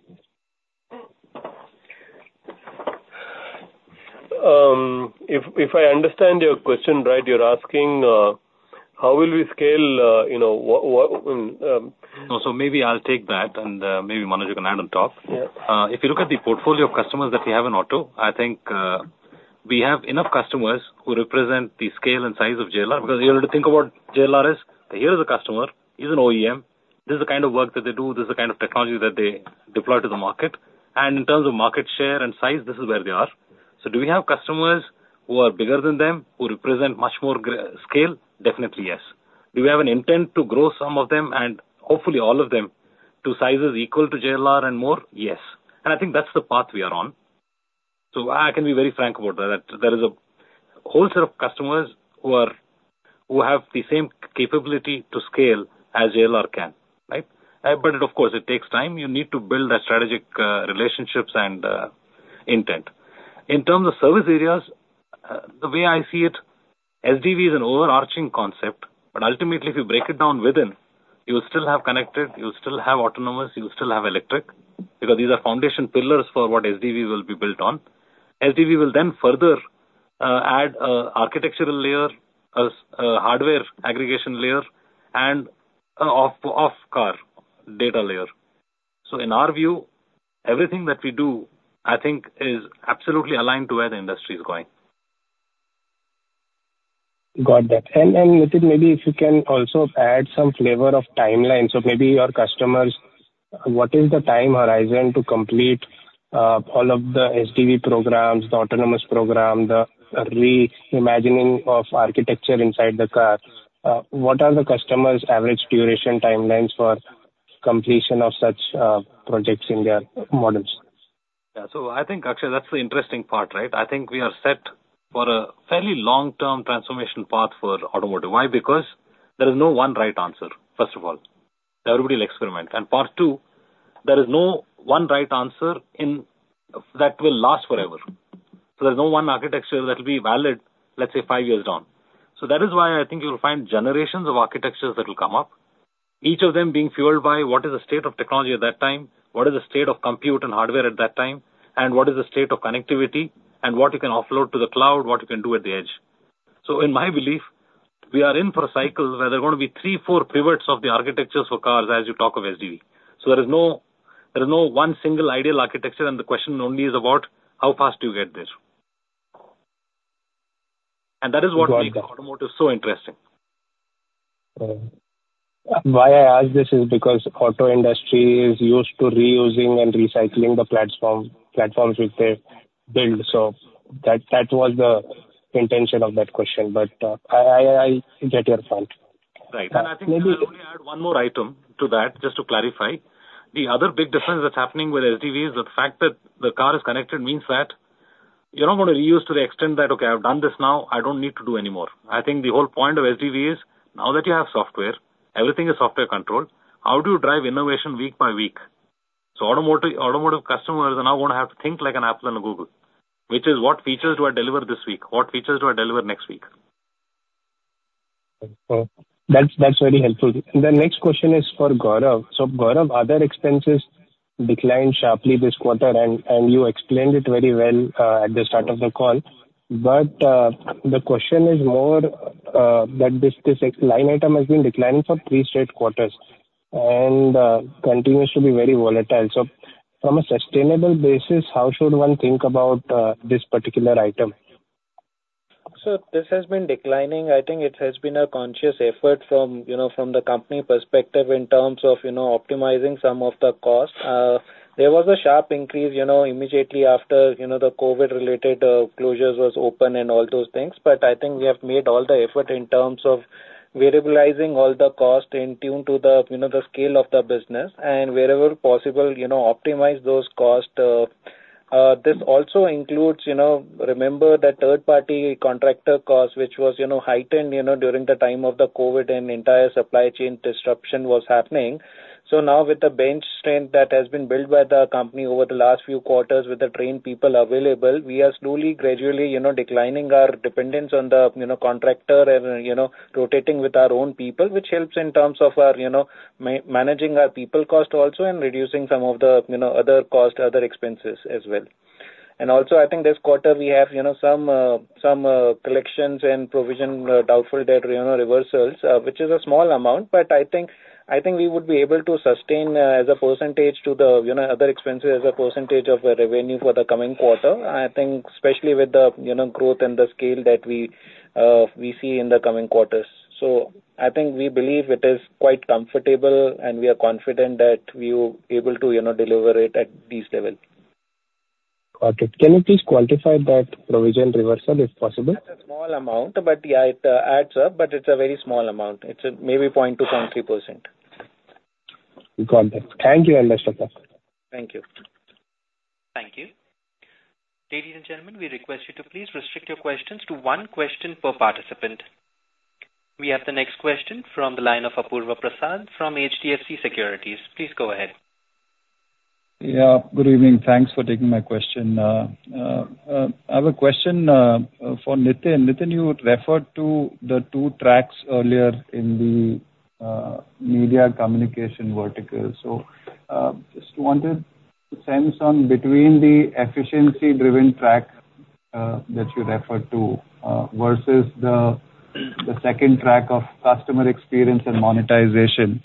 If I understand your question right, you're asking how we will scale, you know, what... No, so maybe I'll take that, and, maybe Manoj, you can add on top. Yeah. If you look at the portfolio of customers that we have in auto, I think we have enough customers who represent the scale and size of JLR. Because in order to think about JLR is, here is a customer, he's an OEM. This is the kind of work that they do. This is the kind of technology that they deploy to the market. And in terms of market share and size, this is where they are. So do we have customers who are bigger than them, who represent much more scale? Definitely, yes. Do we have an intent to grow some of them, and hopefully all of them, to sizes equal to JLR and more? Yes. And I think that's the path we are on. So I can be very frank about that, that there is a whole set of customers who are, who have the same capability to scale as JLR can, right? But of course, it takes time. You need to build a strategic relationships and intent. In terms of service areas, the way I see it, SDV is an overarching concept, but ultimately, if you break it down within, you will still have connected, you'll still have autonomous, you'll still have electric, because these are foundation pillars for what SDV will be built on. SDV will then further add a architectural layer, a hardware aggregation layer, and an off-car data layer. So in our view, everything that we do, I think, is absolutely aligned to where the industry is going. Got that. And Nitin, maybe if you can also add some flavor of timelines of maybe your customers. What is the time horizon to complete all of the SDV programs, the autonomous program, the re-imagining of architecture inside the car? What are the customers' average duration timelines for completion of such projects in their models? Yeah. So I think, Akshay, that's the interesting part, right? I think we are set for a fairly long-term transformation path for automotive. Why? Because there is no one right answer, first of all. Everybody will experiment. And part two, there is no one right answer in that will last forever. So there's no one architecture that will be valid, let's say, five years on. So that is why I think you'll find generations of architectures that will come up, each of them being fueled by what is the state of technology at that time, what is the state of compute and hardware at that time, and what is the state of connectivity, and what you can offload to the cloud, what you can do at the edge. So in my belief, we are in for a cycle where there are going to be 3-4 pivots of the architectures for cars as you talk of SDV. So there is no, there is no one single ideal architecture, and the question only is about how fast do you get there? And that is what makes automotive so interesting. Yeah. Why I ask this is because auto industry is used to reusing and recycling the platform, platforms which they build, so that, that was the intention of that question. But, I get your point. Right. And maybe- I think I'll only add one more item to that, just to clarify. The other big difference that's happening with SDV is the fact that the car is connected means that you're not going to reuse to the extent that, "Okay, I've done this now, I don't need to do anymore." I think the whole point of SDV is, now that you have software, everything is software controlled, how do you drive innovation week by week? So automotive, automotive customers are now going to have to think like an Apple and a Google, which is what features do I deliver this week? What features do I deliver next week? Okay. That's very helpful. The next question is for Gaurav. So, Gaurav, other expenses declined sharply this quarter, and you explained it very well at the start of the call. But the question is more that this line item has been declining for three straight quarters and continues to be very volatile. So from a sustainable basis, how should one think about this particular item? So this has been declining. I think it has been a conscious effort from, you know, from the company perspective in terms of, you know, optimizing some of the costs. There was a sharp increase, you know, immediately after, you know, the COVID-related, uh, closures was open and all those things. But I think we have made all the effort in terms of variabilizing all the cost in tune to the, you know, the scale of the business, and wherever possible, you know, optimize those costs. This also includes, you know, remember the third-party contractor cost, which was, you know, heightened, you know, during the time of the COVID and entire supply chain disruption was happening. So now with the bench strength that has been built by the company over the last few quarters, with the trained people available, we are slowly, gradually, you know, declining our dependence on the, you know, contractor and, you know, rotating with our own people, which helps in terms of our, you know, managing our people cost also, and reducing some of the, you know, other costs, other expenses as well. And also, I think this quarter we have, you know, some collections and provision, doubtful debt, you know, reversals, which is a small amount, but I think, I think we would be able to sustain as a percentage to the, you know, other expenses as a percentage of the revenue for the coming quarter. I think especially with the, you know, growth and the scale that we, we see in the coming quarters. So I think we believe it is quite comfortable, and we are confident that we will able to, you know, deliver it at this level. Got it. Can you please quantify that provision reversal, if possible? It's a small amount, but yeah, it adds up, but it's a very small amount. It's maybe 0.2%-0.3%. Got it. Thank you. I understand that. Thank you. Thank you. Ladies and gentlemen, we request you to please restrict your questions to one question per participant. We have the next question from the line of Apurva Prasad from HDFC Securities. Please go ahead. Yeah, good evening. Thanks for taking my question. I have a question for Nitin. Nitin, you referred to the two tracks earlier in the media communication vertical. So, just wanted to sense on between the efficiency-driven track that you referred to versus the second track of customer experience and monetization.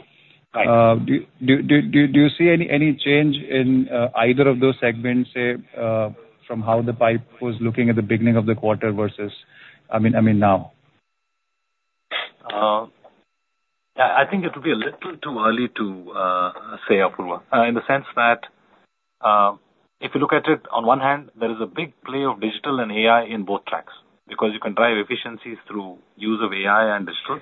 Right. Do you see any change in either of those segments, say, from how the pipe was looking at the beginning of the quarter versus, I mean, now? I think it would be a little too early to say, Apurva, in the sense that, if you look at it, on one hand, there is a big play of digital and AI in both tracks, because you can drive efficiencies through use of AI and digital.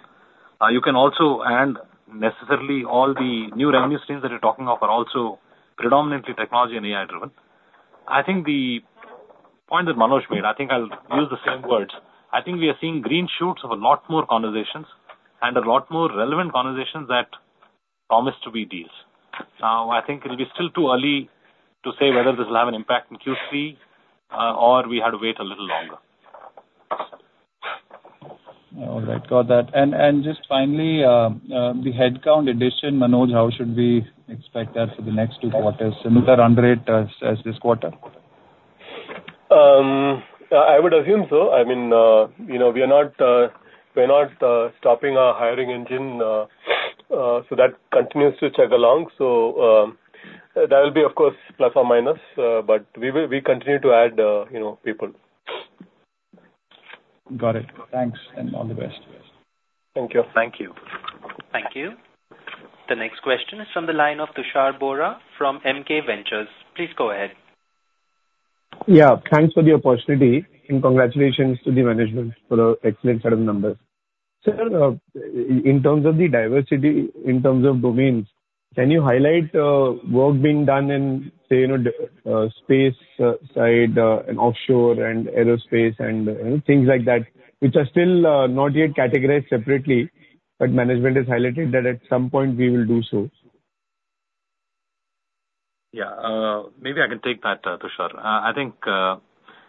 You can also add necessarily all the new revenue streams that you're talking of are also predominantly technology and AI-driven. I think the point that Manoj made, I think I'll use the same words. I think we are seeing green shoots of a lot more conversations and a lot more relevant conversations that promise to be deals. Now, I think it'll be still too early to say whether this will have an impact in Q3, or we have to wait a little longer. All right. Got that. And just finally, the headcount addition, Manoj, how should we expect that for the next two quarters? Similar run rate as this quarter? I would assume so. I mean, you know, we are not, we're not, stopping our hiring engine, so that continues to chug along. So, that will be, of course, plus or minus, but we will—we continue to add, you know, people. Got it. Thanks, and all the best. Thank you. Thank you. Thank you. The next question is from the line of Tushar Bohra from MK Ventures. Please go ahead. Yeah, thanks for the opportunity, and congratulations to the management for the excellent set of numbers. So, in terms of the diversity, in terms of domains, can you highlight work being done in, say, you know, space, side, and offshore and aerospace and, you know, things like that, which are still not yet categorized separately, but management has highlighted that at some point we will do so? Yeah, maybe I can take that, Tushar. I think,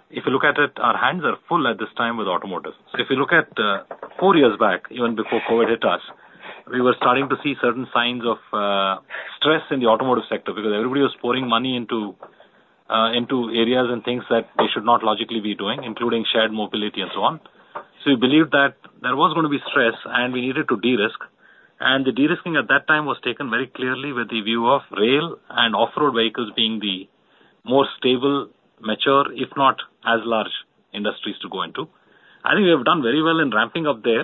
if you look at it, our hands are full at this time with automotive. So if you look at, four years back, even before COVID hit us, we were starting to see certain signs of, stress in the automotive sector because everybody was pouring money into areas and things that they should not logically be doing, including shared mobility and so on. So we believed that there was going to be stress, and we needed to de-risk. And the de-risking at that time was taken very clearly with the view of rail and off-road vehicles being the more stable, mature, if not as large, industries to go into. I think we have done very well in ramping up there,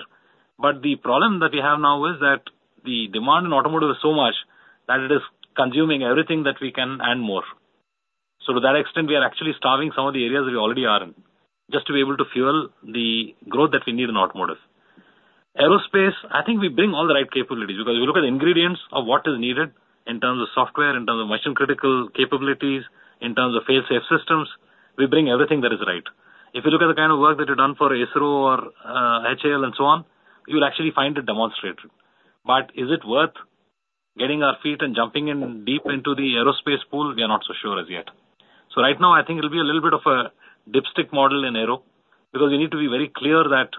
but the problem that we have now is that the demand in automotive is so much that it is consuming everything that we can and more. So to that extent, we are actually starving some of the areas we already are in, just to be able to fuel the growth that we need in automotive. Aerospace, I think we bring all the right capabilities because you look at the ingredients of what is needed in terms of software, in terms of mission-critical capabilities, in terms of fail-safe systems, we bring everything that is right. If you look at the kind of work that we've done for ISRO or HAL and so on, you'll actually find it demonstrated. But is it worth getting our feet and jumping in deep into the aerospace pool? We are not so sure as yet. So right now, I think it'll be a little bit of a dipstick model in aero, because we need to be very clear that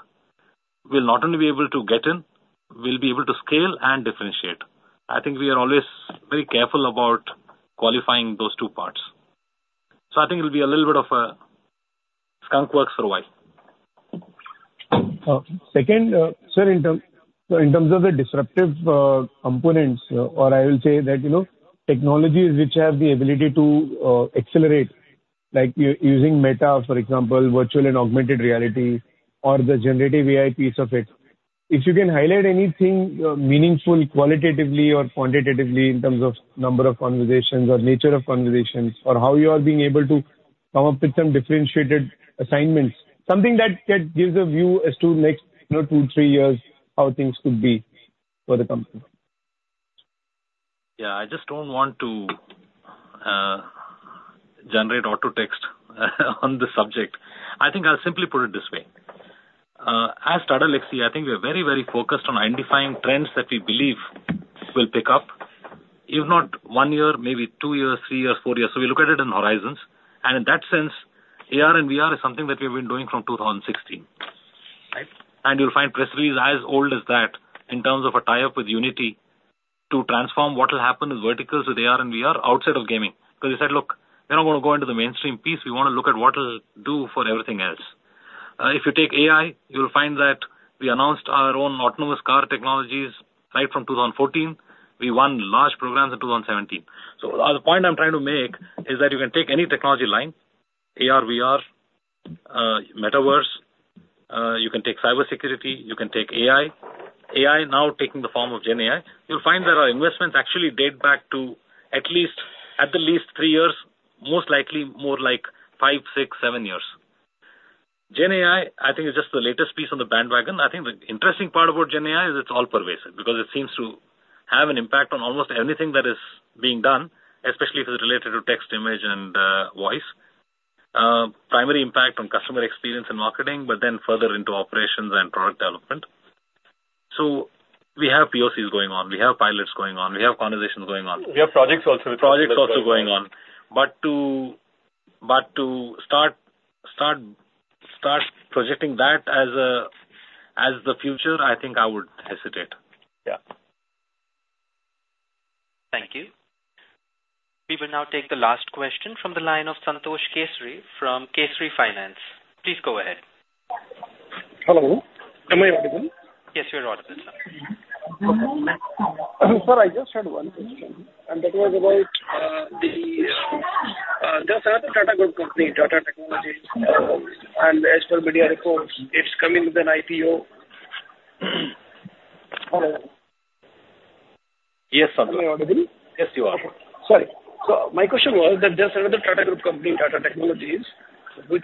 we'll not only be able to get in, we'll be able to scale and differentiate. I think we are always very careful about qualifying those two parts. So I think it'll be a little bit of a skunk works for a while. Second, sir, in terms, so in terms of the disruptive components, or I will say that, you know, technologies which have the ability to accelerate, like using Meta, for example, virtual and augmented reality, or the generative AI piece of it. If you can highlight anything meaningful, qualitatively or quantitatively in terms of number of conversations or nature of conversations, or how you are being able to come up with some differentiated assignments, something that, that gives a view as to next, you know, two, three years, how things could be for the company. Yeah. I just don't want to generate auto text on this subject. I think I'll simply put it this way. As Tata Elxsi, I think we are very, very focused on identifying trends that we believe will pick up, if not one year, maybe two years, three years, four years. So we look at it in horizons. And in that sense, AR and VR is something that we've been doing from 2016, right? And you'll find our tie-up is as old as that in terms of a tie-up with Unity to transform what will happen in verticals with AR and VR outside of gaming. Because we said, "Look, we don't want to go into the mainstream piece. We want to look at what it'll do for everything else." If you take AI, you'll find that we announced our own autonomous car technologies right from 2014. We won large programs in 2017. So the point I'm trying to make is that you can take any technology line, AR, VR, metaverse, you can take cybersecurity, you can take AI. AI now taking the form of GenAI. You'll find that our investments actually date back to at least, at the least three years, most likely more like five, six, seven years. GenAI, I think, is just the latest piece on the bandwagon. I think the interesting part about GenAI is it's all pervasive because it seems to have an impact on almost anything that is being done, especially if it's related to text, image, and voice. Primary impact on customer experience and marketing, but then further into operations and product development. We have POCs going on, we have pilots going on, we have conversations going on. We have projects also. Projects also going on. But to start projecting that as the future, I think I would hesitate. Yeah. Thank you. We will now take the last question from the line of Santosh Kesari from Kesari Finance. Please go ahead. Hello, am I audible? Yes, you are audible, sir. Sir, I just had one question, and that was about, there's another Tata Group company, Tata Technologies, and as per media reports, it's coming with an IPO.... Yes, Santhosh. Am I audible? Yes, you are. Sorry. So my question was that there's another Tata Group company, Tata Technologies, which,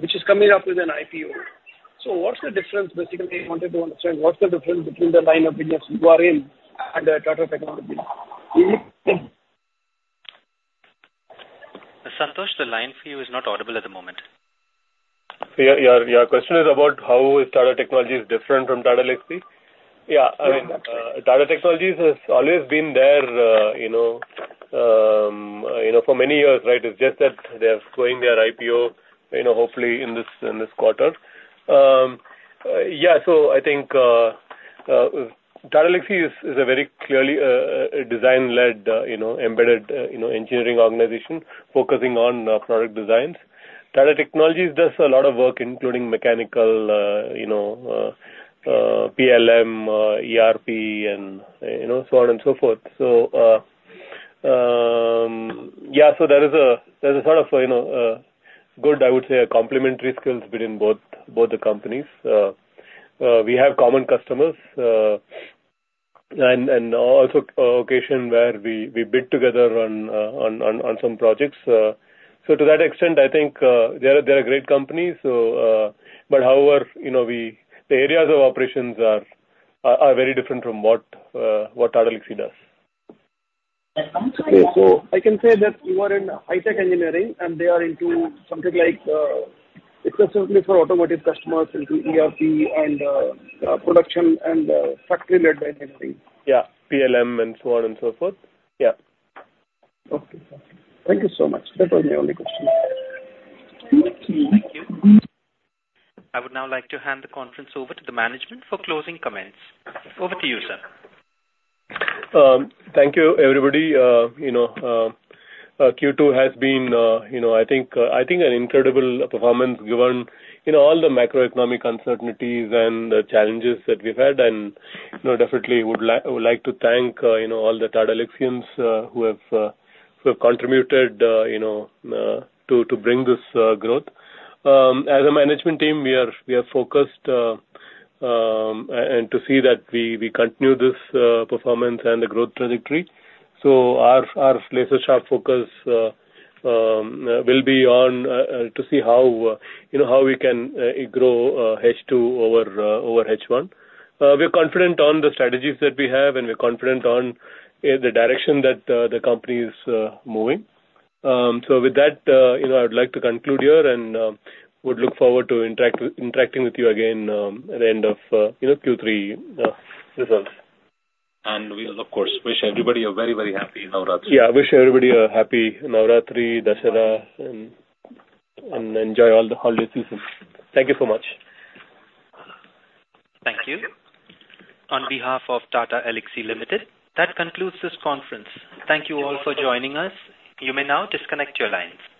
which is coming up with an IPO. So what's the difference? Basically, I wanted to understand, what's the difference between the line of business you are in and the Tata Technologies? Santhosh, the line for you is not audible at the moment. Yeah, your question is about how is Tata Technologies different from Tata Elxsi? Yeah, I mean, Tata Technologies has always been there, you know, for many years, right? It's just that they are going their IPO, you know, hopefully in this, in this quarter. Yeah, so I think, Tata Elxsi is a very clearly, design-led, you know, embedded, you know, engineering organization focusing on, product designs. Tata Technologies does a lot of work, including mechanical, you know, PLM, ERP and, you know, so on and so forth. So, yeah, so there is a sort of, you know, good, I would say, a complementary skills between both the companies. We have common customers, and also occasion where we bid together on some projects. So to that extent, I think, they are a great company. So, but however, you know, we, the areas of operations are very different from what Tata Elxsi does. I can say that you are in high-tech engineering, and they are into something like, specifically for automotive customers, into ERP and production and factory-led by engineering. Yeah, PLM and so on and so forth. Yeah. Okay. Thank you so much. That was my only question. Thank you. I would now like to hand the conference over to the management for closing comments. Over to you, sir. Thank you, everybody. You know, Q2 has been, you know, I think, I think an incredible performance, given, you know, all the macroeconomic uncertainties and the challenges that we've had. And, you know, definitely would like, would like to thank, you know, all the Tata Elxsians, who have, who have contributed, you know, to, to bring this, growth. As a management team, we are, we are focused, and to see that we, we continue this, performance and the growth trajectory. So our, our laser-sharp focus, will be on, to see how, you know, how we can, grow, H2 over, over H1. We're confident on the strategies that we have, and we're confident on, the direction that, the company is, moving. With that, you know, I'd like to conclude here and would look forward to interacting with you again, you know, at the end of Q3 results. We will, of course, wish everybody a very, very happy Navratri. Yeah. I wish everybody a happy Navratri, Dussehra, and enjoy all the holiday seasons. Thank you so much. Thank you. On behalf of Tata Elxsi Limited, that concludes this conference. Thank you all for joining us. You may now disconnect your lines.